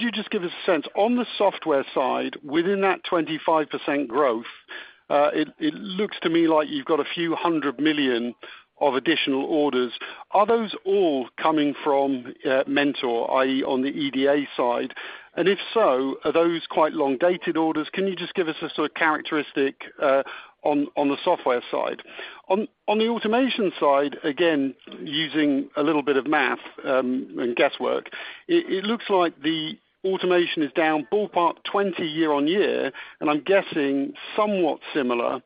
you just give us a sense? On the software side, within that 25% growth, it looks to me like you've got a few hundred million EUR of additional orders. Are those all coming from Mentor, i.e., on the EDA side? If so, are those quite long-dated orders? Can you just give us a sort of characteristic on the software side? On the automation side, again, using a little bit of math, and guesswork, it looks like the automation is down ballpark 20 year-on-year, and I'm guessing somewhat similar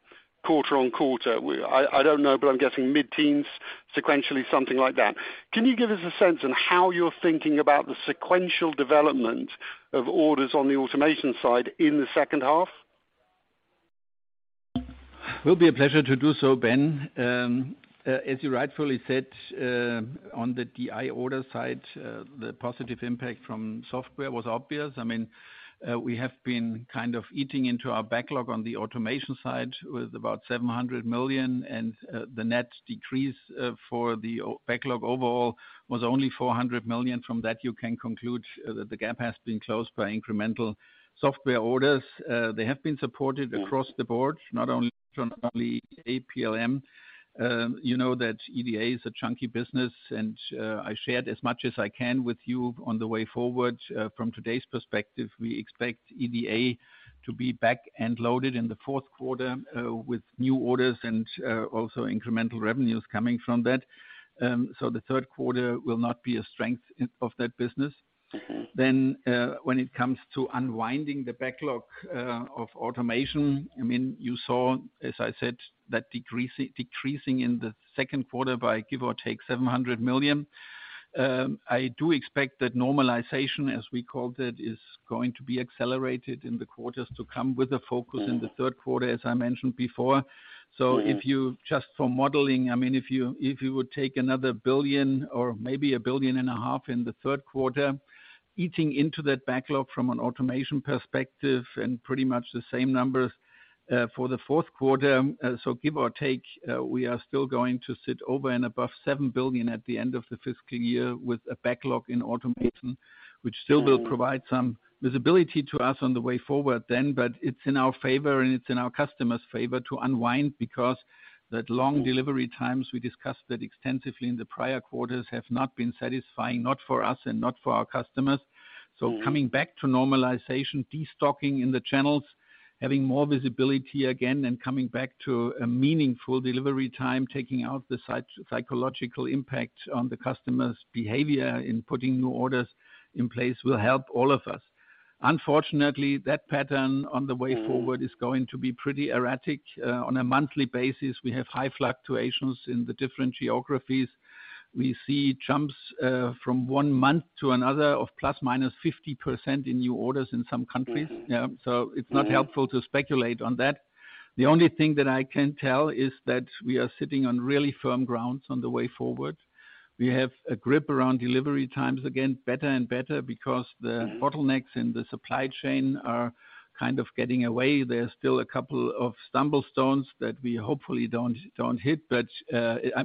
quarter-on-quarter. I don't know, but I'm guessing mid-teens sequentially, something like that. Can you give us a sense on how you're thinking about the sequential development of orders on the automation side in the second half?
Will be a pleasure to do so, Ben. As you rightfully said, on the DI order side, the positive impact from software was obvious. I mean, we have been kind of eating into our backlog on the automation side with about 700 million, and the net decrease for the backlog overall was only 400 million. From that, you can conclude that the gap has been closed by incremental software orders. They have been supported across the board, not only from only PLM. You know that EDA is a chunky business, and I shared as much as I can with you on the way forward. From today's perspective, we expect EDA to be back and loaded in the fourth quarter, with new orders and also incremental revenues coming from that. The third quarter will not be a strength of that business.
Mm-hmm.
When it comes to unwinding the backlog of automation, I mean, you saw, as I said, that decreasing in the second quarter by give or take 700 million. I do expect that normalization, as we called it, is going to be accelerated in the quarters to come with a focus in the third quarter, as I mentioned before.
Mm-hmm.
Just for modeling, I mean, if you would take 1 billion or maybe EUR a billion and a half in the third quarter, eating into that backlog from an automation perspective and pretty much the same numbers for the fourth quarter. Give or take, we are still going to sit over and above 7 billion at the end of the fiscal year with a backlog in automation-
Mm-hmm.
which still will provide some visibility to us on the way forward then, but it's in our favor and it's in our customers' favor to unwind because that long delivery times, we discussed that extensively in the prior quarters, have not been satisfying, not for us and not for our customers.
Mm-hmm.
Coming back to normalization, destocking in the channels, having more visibility again and coming back to a meaningful delivery time, taking out the psychological impact on the customer's behavior in putting new orders in place will help all of us. Unfortunately, that pattern on the way forward is going to be pretty erratic. On a monthly basis, we have high fluctuations in the different geographies. We see jumps, from one month to another of ±50% in new orders in some countries.
Mm-hmm.
Yeah. It's not helpful to speculate on that. The only thing that I can tell is that we are sitting on really firm grounds on the way forward. We have a grip around delivery times, again, better and better.
Mm-hmm.
-bottlenecks in the supply chain are kind of getting away. There's still a couple of stumble stones that we hopefully don't hit.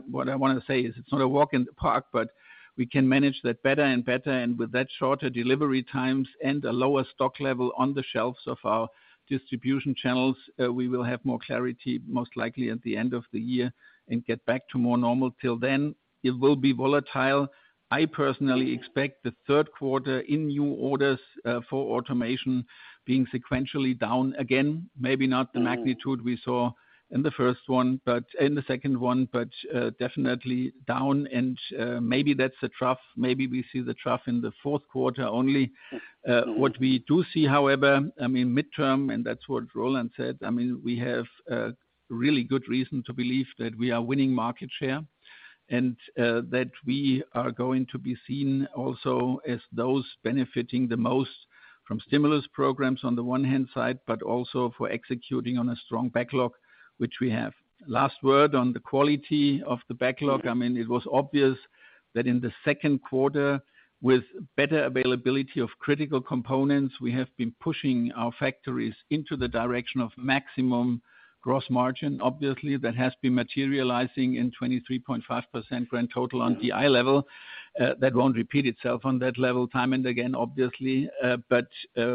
What I wanna say is it's not a walk in the park, but we can manage that better and better. With that shorter delivery times and a lower stock level on the shelves of our distribution channels, we will have more clarity, most likely at the end of the year and get back to more normal. Till then, it will be volatile. I personally expect the 3rd quarter in new orders for automation being sequentially down again, maybe not the magnitude we saw in the 1st one, but in the 2nd one, but definitely down. Maybe that's a trough. Maybe we see the trough in the 4th quarter only. What we do see, however, I mean, midterm, and that's what Roland said. I mean, we have a really good reason to believe that we are winning market share and that we are going to be seen also as those benefiting the most from stimulus programs on the one hand side, but also for executing on a strong backlog, which we have. Last word on the quality of the backlog, I mean, it was obvious that in the second quarter, with better availability of critical components, we have been pushing our factories into the direction of maximum gross margin. Obviously, that has been materializing in 23.5% grand total on DI level. That won't repeat itself on that level time and again, obviously.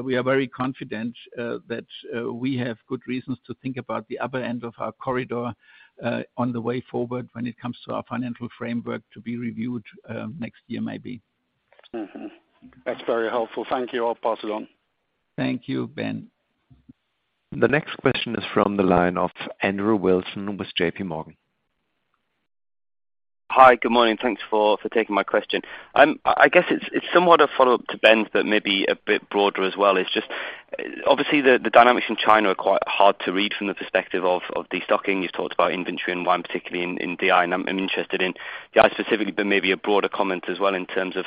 We are very confident, that, we have good reasons to think about the upper end of our corridor, on the way forward when it comes to our financial framework to be reviewed, next year, maybe.
Mm-hmm. That's very helpful. Thank you. I'll pass it on.
Thank you, Ben.
The next question is from the line of Andrew Wilson with J.P. Morgan.
Hi, good morning. Thanks for taking my question. I guess it's somewhat a follow-up to Ben's, but maybe a bit broader as well. It's just, obviously, the dynamics in China are quite hard to read from the perspective of destocking. You've talked about inventory and why particularly in DI, and I'm interested in DI specifically, but maybe a broader comment as well in terms of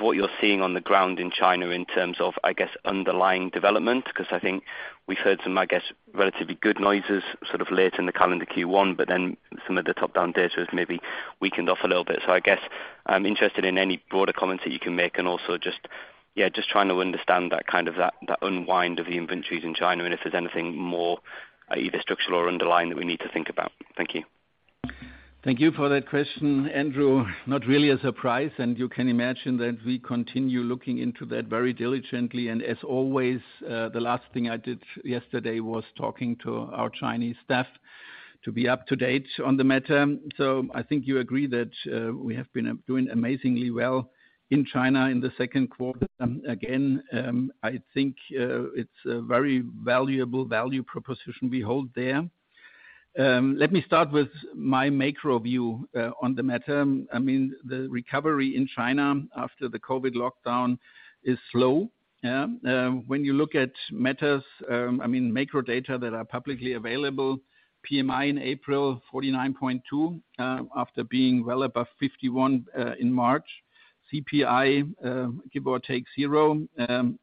what you're seeing on the ground in China in terms of, I guess, underlying development. 'Cause I think we've heard some, I guess, relatively good noises sort of late in the calendar Q1, but then some of the top-down data has maybe weakened off a little bit. I guess I'm interested in any broader comments that you can make and also just trying to understand that unwind of the inventories in China, and if there's anything more, either structural or underlying that we need to think about. Thank you.
Thank you for that question, Andrew. Not really a surprise. You can imagine that we continue looking into that very diligently. As always, the last thing I did yesterday was talking to our Chinese staff to be up-to-date on the matter. I think you agree that we have been doing amazingly well in China in the second quarter. Again, I think it's a very valuable value proposition we hold there. Let me start with my macro view on the matter. I mean, the recovery in China after the COVID lockdown is slow. Yeah. When you look at matters, I mean, macro data that are publicly available, PMI in April, 49.2%, after being well above 51% in March. CPI, give or take 0%.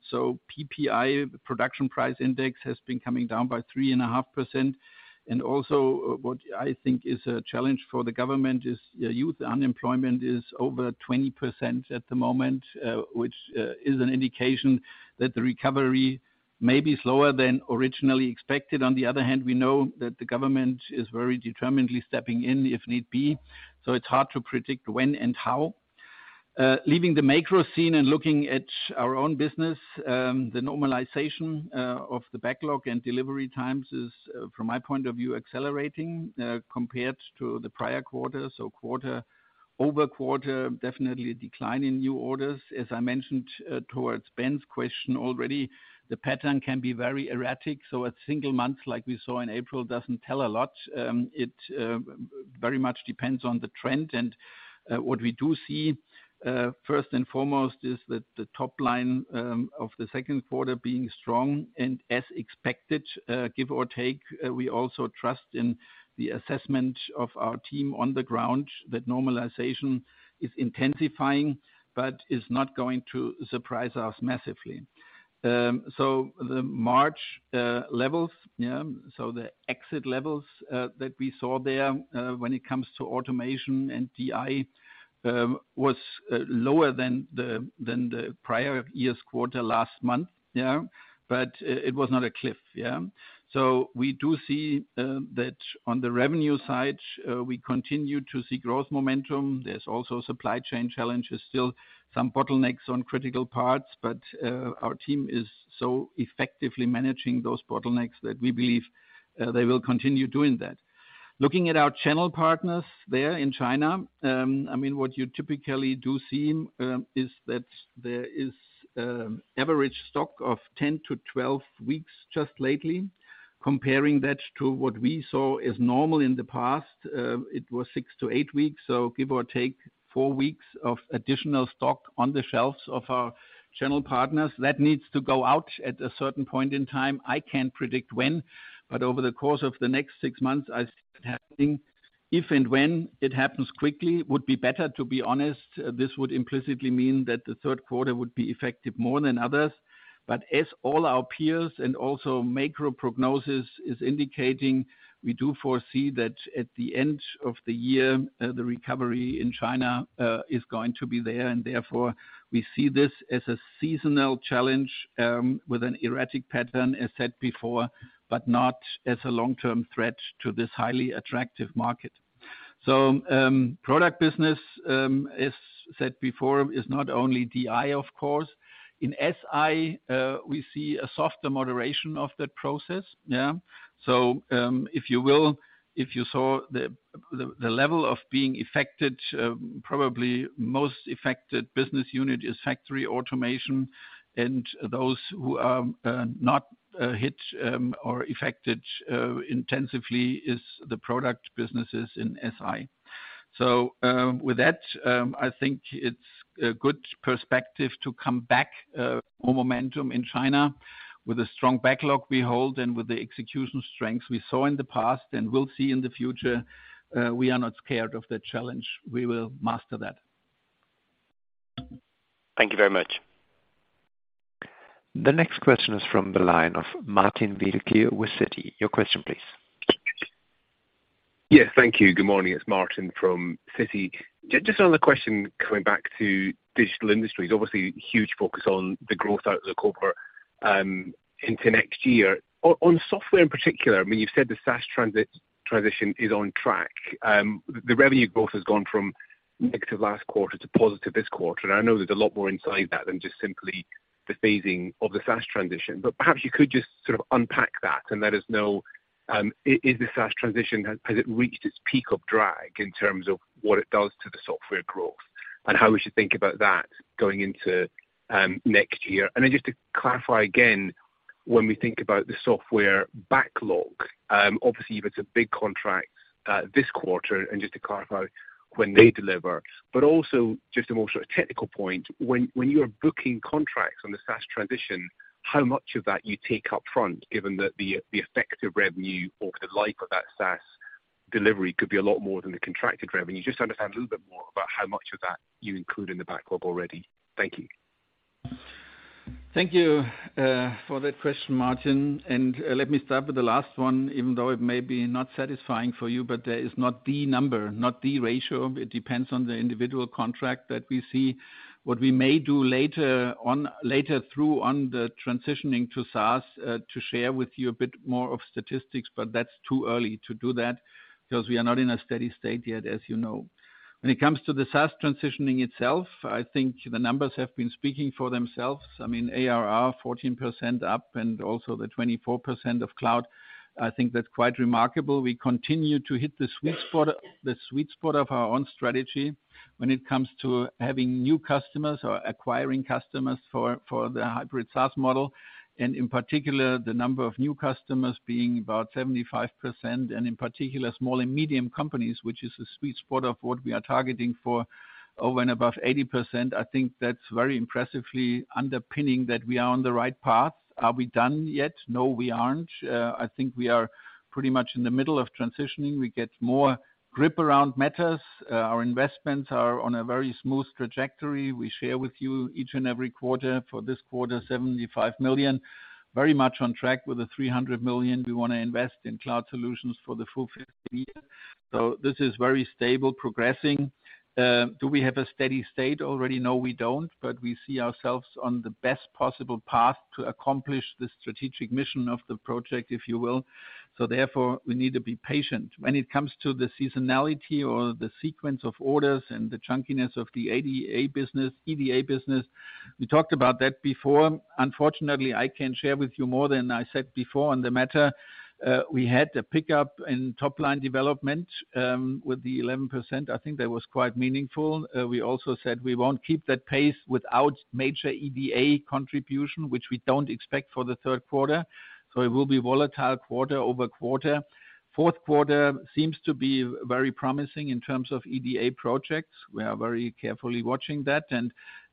PPI, production price index, has been coming down by 3.5%. Also, what I think is a challenge for the government is youth unemployment is over 20% at the moment, which is an indication that the recovery may be slower than originally expected. We know that the government is very determinedly stepping in if need be, so it's hard to predict when and how. Looking at our own business, the normalization of the backlog and delivery times is from my point of view, accelerating, compared to the prior quarter. Quarter-over-quarter, definitely a decline in new orders. I mentioned towards Ben's question already, the pattern can be very erratic, so a single month like we saw in April doesn't tell a lot. It very much depends on the trend and what we do see first and foremost is that the top line of the second quarter being strong and as expected, give or take, we also trust in the assessment of our team on the ground that normalization is intensifying but is not going to surprise us massively. The March levels, so the exit levels that we saw there when it comes to automation and DI was lower than the prior year's quarter last month. But it was not a cliff. We do see that on the revenue side, we continue to see growth momentum. There's also supply chain challenges, still some bottlenecks on critical parts. Our team is so effectively managing those bottlenecks that we believe they will continue doing that. Looking at our channel partners there in China, I mean, what you typically do see is that there is average stock of 10-12 weeks just lately. Comparing that to what we saw is normal in the past, it was 6-8 weeks. Give or take 4 weeks of additional stock on the shelves of our channel partners. That needs to go out at a certain point in time, I can't predict when, but over the course of the next 6 months, I see it happening. If and when it happens quickly would be better to be honest, this would implicitly mean that the third quarter would be effective more than others. As all our peers and also macro prognosis is indicating, we do foresee that at the end of the year, the recovery in China is going to be there. Therefore, we see this as a seasonal challenge with an erratic pattern, as said before, but not as a long-term threat to this highly attractive market. Product business, as said before, is not only DI, of course. In SI, we see a softer moderation of that process, yeah. If you will, if you saw the level of being affected, probably most affected business unit is factory automation and those who are not hit or affected intensively is the product businesses in SI. With that, I think it's a good perspective to come back, more momentum in China with the strong backlog we hold and with the execution strengths we saw in the past and will see in the future, we are not scared of that challenge. We will master that.
Thank you very much.
The next question is from the line of Martin Wilkie with Citi. Your question please.
Thank you. Good morning, it's Martin from Citi. Just on the question coming back to digital industries, obviously huge focus on the growth outlook over into next year. On, on software in particular, I mean, you've said the SaaS transition is on track. The revenue growth has gone from negative last quarter to positive this quarter, and I know there's a lot more inside that than just simply the phasing of the SaaS transition. Perhaps you could just sort of unpack that and let us know, is the SaaS transition, has it reached its peak of drag in terms of what it does to the software growth, and how we should think about that going into next year? Just to clarify again, when we think about the software backlog, obviously if it's a big contract this quarter and just to clarify when they deliver. Just a more sort of technical point, when you are booking contracts on the SaaS transition, how much of that you take up front, given that the effective revenue or the life of that SaaS delivery could be a lot more than the contracted revenue? Just to understand a little bit more about how much of that you include in the backlog already. Thank you.
Thank you for that question, Martin. Let me start with the last one, even though it may be not satisfying for you, there is not the number, not the ratio. It depends on the individual contract that we see. What we may do later on, later through on the transitioning to SaaS, to share with you a bit more of statistics, that's too early to do that because we are not in a steady state yet, as you know. When it comes to the SaaS transitioning itself, I think the numbers have been speaking for themselves. I mean, ARR 14% up and also the 24% of cloud. I think that's quite remarkable. We continue to hit the sweet spot, the sweet spot of our own strategy when it comes to having new customers or acquiring customers for the hybrid SaaS model. In particular, the number of new customers being about 75%, and in particular small and medium companies, which is a sweet spot of what we are targeting for over and above 80%. I think that's very impressively underpinning that we are on the right path. Are we done yet? No, we aren't. I think we are pretty much in the middle of transitioning. We get more grip around matters. Our investments are on a very smooth trajectory. We share with you each and every quarter, for this quarter, 75 million. Very much on track with the 300 million we want to invest in cloud solutions for the full fiscal year. This is very stable progressing. Do we have a steady state already? No, we don't. We see ourselves on the best possible path to accomplish the strategic mission of the project, if you will. Therefore, we need to be patient. When it comes to the seasonality or the sequence of orders and the chunkiness of the EDA business, we talked about that before. Unfortunately, I can't share with you more than I said before on the matter. We had a pickup in top-line development, with the 11%. I think that was quite meaningful. We also said we won't keep that pace without major EDA contribution, which we don't expect for the third quarter. It will be volatile quarter-over-quarter. Fourth quarter seems to be very promising in terms of EDA projects. We are very carefully watching that.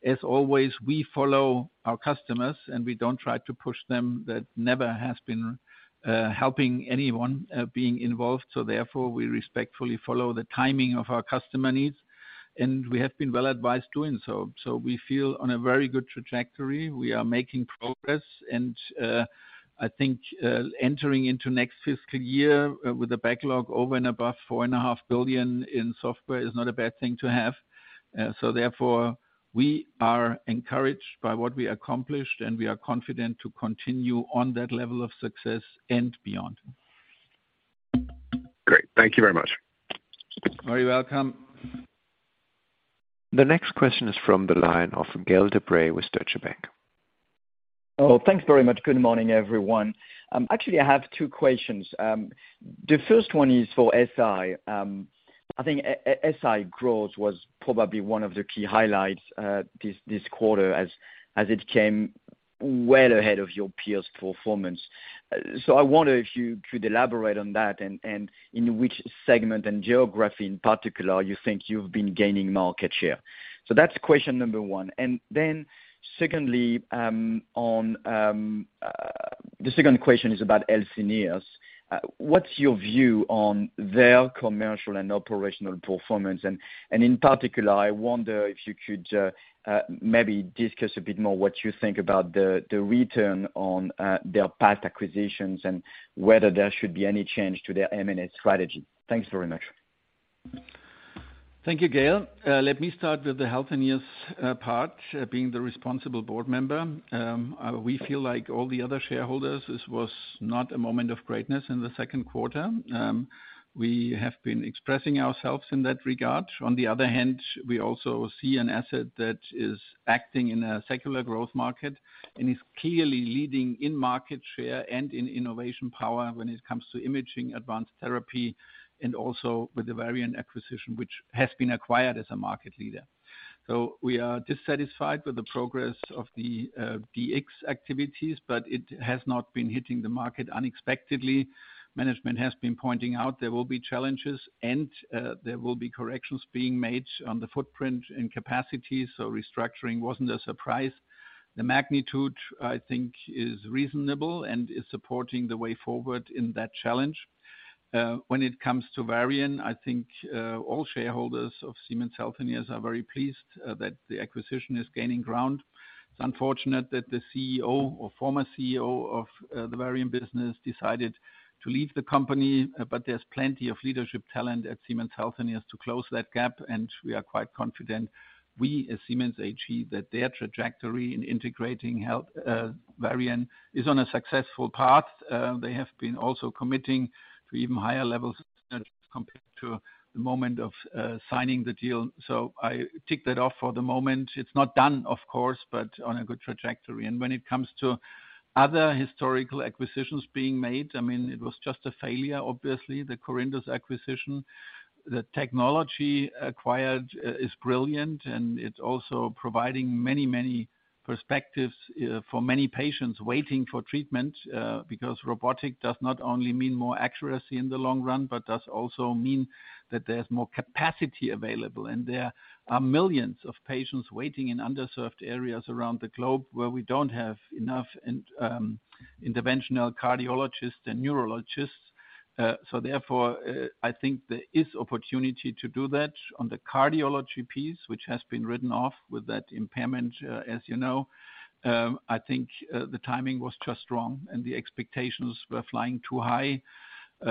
As always, we follow our customers, and we don't try to push them. That never has been helping anyone being involved. Therefore, we respectfully follow the timing of our customer needs, and we have been well advised doing so. We feel on a very good trajectory. We are making progress and I think entering into next fiscal year with a backlog over and above four and a half billion in software is not a bad thing to have. Therefore, we are encouraged by what we accomplished, and we are confident to continue on that level of success and beyond.
Great. Thank you very much.
You're welcome.
The next question is from the line of Gael de Bray with Deutsche Bank.
Thanks very much. Good morning, everyone. Actually, I have two questions. The first one is for SI. I think SI Growth was probably one of the key highlights this quarter as it came well ahead of your peers' performance. I wonder if you could elaborate on that and in which segment and geography in particular you think you've been gaining market share. That's question number 1. Then secondly, on the second question is about Healthineers. What's your view on their commercial and operational performance? In particular, I wonder if you could maybe discuss a bit more what you think about the return on their past acquisitions and whether there should be any change to their M&A strategy. Thanks very much.
Thank you, Gael. Let me start with the Healthineers part, being the responsible board member. We feel like all the other shareholders, this was not a moment of greatness in the second quarter. We have been expressing ourselves in that regard. On the other hand, we also see an asset that is acting in a secular growth market and is clearly leading in market share and in innovation power when it comes to imaging advanced therapy, and also with the Varian acquisition, which has been acquired as a market leader. We are dissatisfied with the progress of the DX activities, but it has not been hitting the market unexpectedly. Management has been pointing out there will be challenges, and there will be corrections being made on the footprint and capacity, so restructuring wasn't a surprise. The magnitude, I think, is reasonable and is supporting the way forward in that challenge. When it comes to Varian, I think, all shareholders of Siemens Healthineers are very pleased that the acquisition is gaining ground. It's unfortunate that the CEO or former CEO of the Varian business decided to leave the company, but there's plenty of leadership talent at Siemens Healthineers to close that gap, and we are quite confident, we as Siemens, achieve that their trajectory in integrating health, Varian is on a successful path. They have been also committing to even higher levels compared to the moment of signing the deal. I tick that off for the moment. It's not done, of course, but on a good trajectory. When it comes to other historical acquisitions being made, I mean, it was just a failure, obviously, the Corindus acquisition. The technology acquired is brilliant. It's also providing many, many perspectives for many patients waiting for treatment because robotic does not only mean more accuracy in the long run, but does also mean that there's more capacity available. There are millions of patients waiting in underserved areas around the globe where we don't have enough interventional cardiologists and neurologists. Therefore, I think there is opportunity to do that. On the cardiology piece, which has been written off with that impairment, as you know, I think the timing was just wrong and the expectations were flying too high.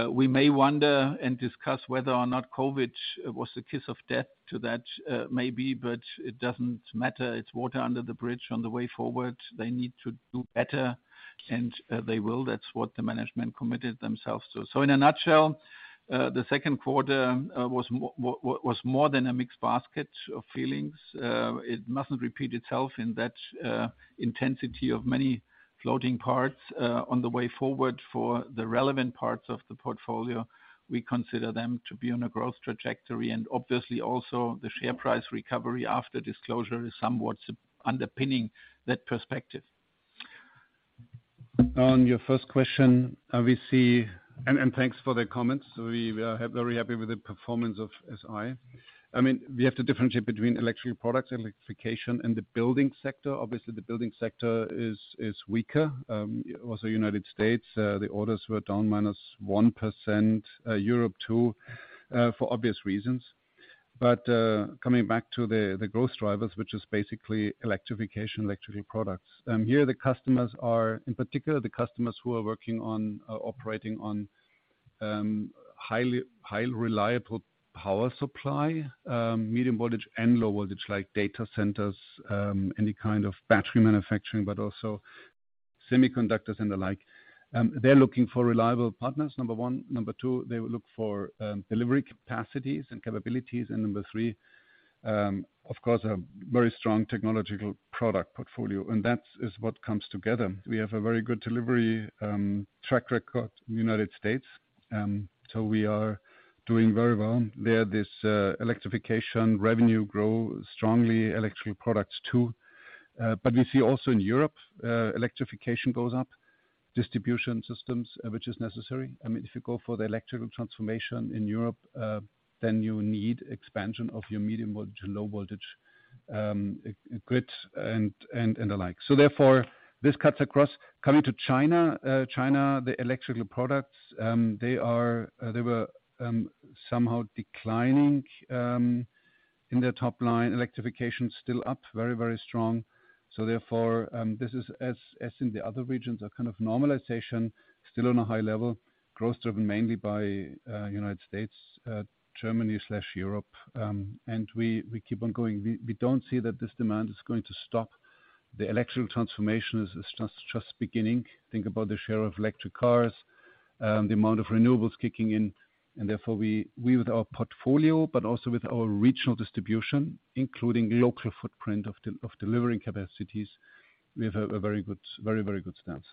We may wonder and discuss whether or not COVID was the kiss of death to that, maybe, but it doesn't matter. It's water under the bridge on the way forward. They need to do better. They will. That's what the management committed themselves to. In a nutshell, the second quarter was more than a mixed basket of feelings. It mustn't repeat itself in that intensity of many floating parts on the way forward for the relevant parts of the portfolio. We consider them to be on a growth trajectory, and obviously also the share price recovery after disclosure is somewhat underpinning that perspective.
On your first question, thanks for the comments. We are very happy with the performance of SI. I mean, we have to differentiate between electrical products, electrification, and the building sector. Obviously, the building sector is weaker. Also United States, the orders were down minus 1%, Europe, 2%, for obvious reasons. Coming back to the growth drivers, which is basically electrification, electrical products. Here the customers are, in particular, the customers who are working on, operating on highly reliable power supply, medium voltage and low voltage, like data centers, any kind of battery manufacturing, but also semiconductors and the like. They're looking for reliable partners, number 1. Number 2, they will look for delivery capacities and capabilities. Number 3, of course, a very strong technological product portfolio. That is what comes together. We have a very good delivery track record in the United States, so we are doing very well. There, this electrification revenue grow strongly, electrical products too. But we see also in Europe, electrification goes up, distribution systems, which is necessary. I mean, if you go for the electrical transformation in Europe, then you need expansion of your medium voltage and low voltage grid and the like. Therefore, this cuts across. Coming to China, the electrical products, they were somehow declining in their top line. Electrification still up very, very strong. Therefore, this is as in the other regions, a kind of normalization, still on a high level, growth driven mainly by United States, Germany/Europe, and we keep on going. We don't see that this demand is going to stop.
The electrical transformation is just beginning. Think about the share of electric cars, the amount of renewables kicking in, and therefore we with our portfolio, but also with our regional distribution, including local footprint of delivering capacities, we have a very good stance.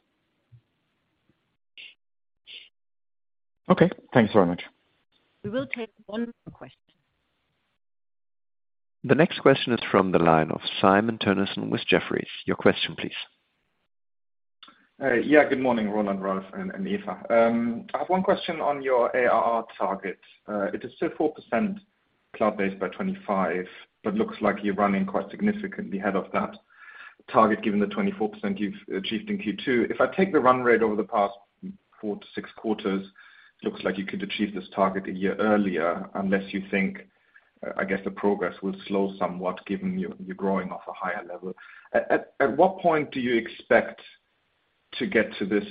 Okay. Thanks very much.
We will take one more question.
The next question is from the line of Simon Toennessen with Jefferies. Your question please.
Yeah, good morning, Roland, Ralf, and Eva. I have one question on your ARR target. It is still 4% cloud-based by 2025, but looks like you're running quite significantly ahead of that target given the 24% you've achieved in Q2. If I take the run rate over the past 4-6 quarters, looks like you could achieve this target a year earlier, unless you think, I guess the progress will slow somewhat given you're growing off a higher level. At what point do you expect to get to this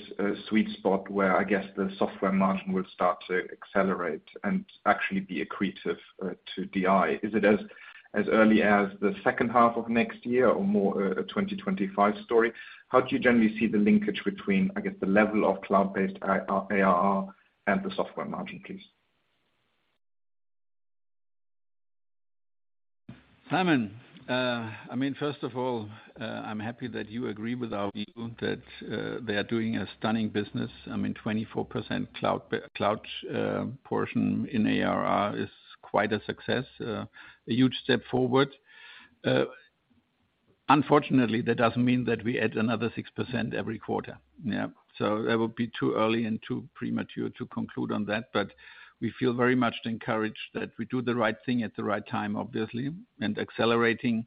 sweet spot where I guess the software margin will start to accelerate and actually be accretive to DI? Is it as early as the second half of next year or more a 2025 story? How do you generally see the linkage between, I guess, the level of cloud-based ARR and the software margin, please?
Simon, I mean, first of all, I'm happy that you agree with our view that they are doing a stunning business. I mean, 24% cloud portion in ARR is quite a success, a huge step forward. Unfortunately, that doesn't mean that we add another 6% every quarter. Yeah. That would be too early and too premature to conclude on that. We feel very much encouraged that we do the right thing at the right time, obviously, and accelerating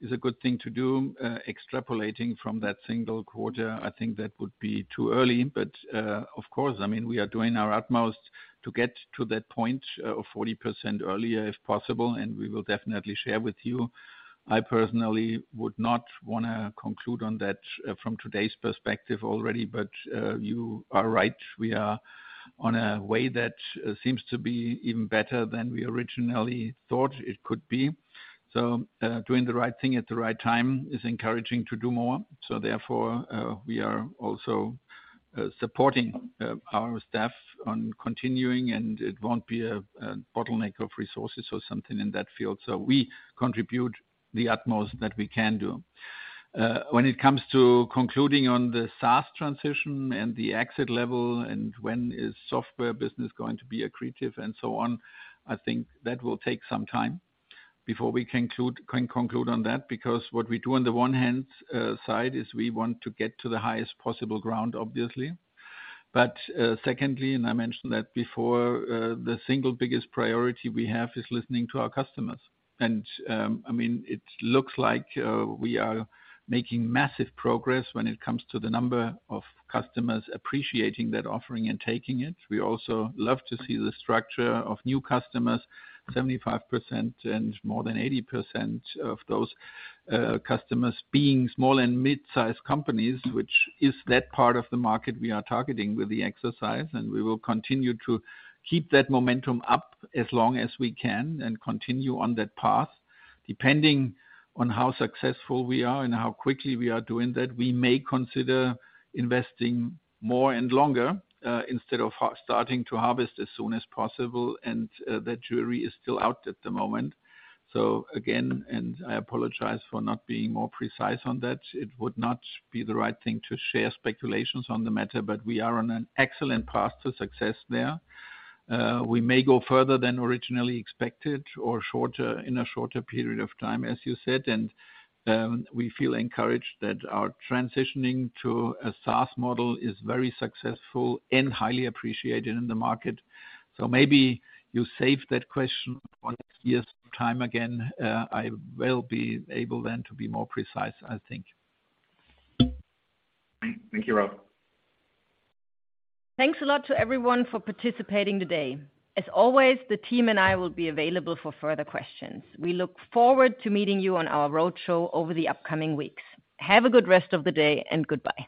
is a good thing to do. Extrapolating from that single quarter, I think that would be too early. Of course, I mean, we are doing our utmost to get to that point of 40% earlier, if possible, and we will definitely share with you. I personally would not wanna conclude on that from today's perspective already. You are right. We are on a way that seems to be even better than we originally thought it could be. Doing the right thing at the right time is encouraging to do more. Therefore, we are also supporting our staff on continuing, and it won't be a bottleneck of resources or something in that field. We contribute the utmost that we can do. When it comes to concluding on the SaaS transition and the exit level and when is software business going to be accretive and so on, I think that will take some time before we conclude, can conclude on that because what we do on the one hand, side, is we want to get to the highest possible ground, obviously. Secondly, and I mentioned that before, the single biggest priority we have is listening to our customers. I mean, it looks like we are making massive progress when it comes to the number of customers appreciating that offering and taking it. We also love to see the structure of new customers, 75% and more than 80% of those customers being small and mid-sized companies, which is that part of the market we are targeting with the exercise. We will continue to keep that momentum up as long as we can and continue on that path. Depending on how successful we are and how quickly we are doing that, we may consider investing more and longer, instead of starting to harvest as soon as possible, and that jury is still out at the moment. Again, and I apologize for not being more precise on that. It would not be the right thing to share speculations on the matter, but we are on an excellent path to success there. We may go further than originally expected or shorter, in a shorter period of time, as you said. We feel encouraged that our transitioning to a SaaS model is very successful and highly appreciated in the market. Maybe you save that question for next year's time again, I will be able then to be more precise, I think.
Thank you, Ralf.
Thanks a lot to everyone for participating today. As always, the team and I will be available for further questions. We look forward to meeting you on our roadshow over the upcoming weeks. Have a good rest of the day and goodbye.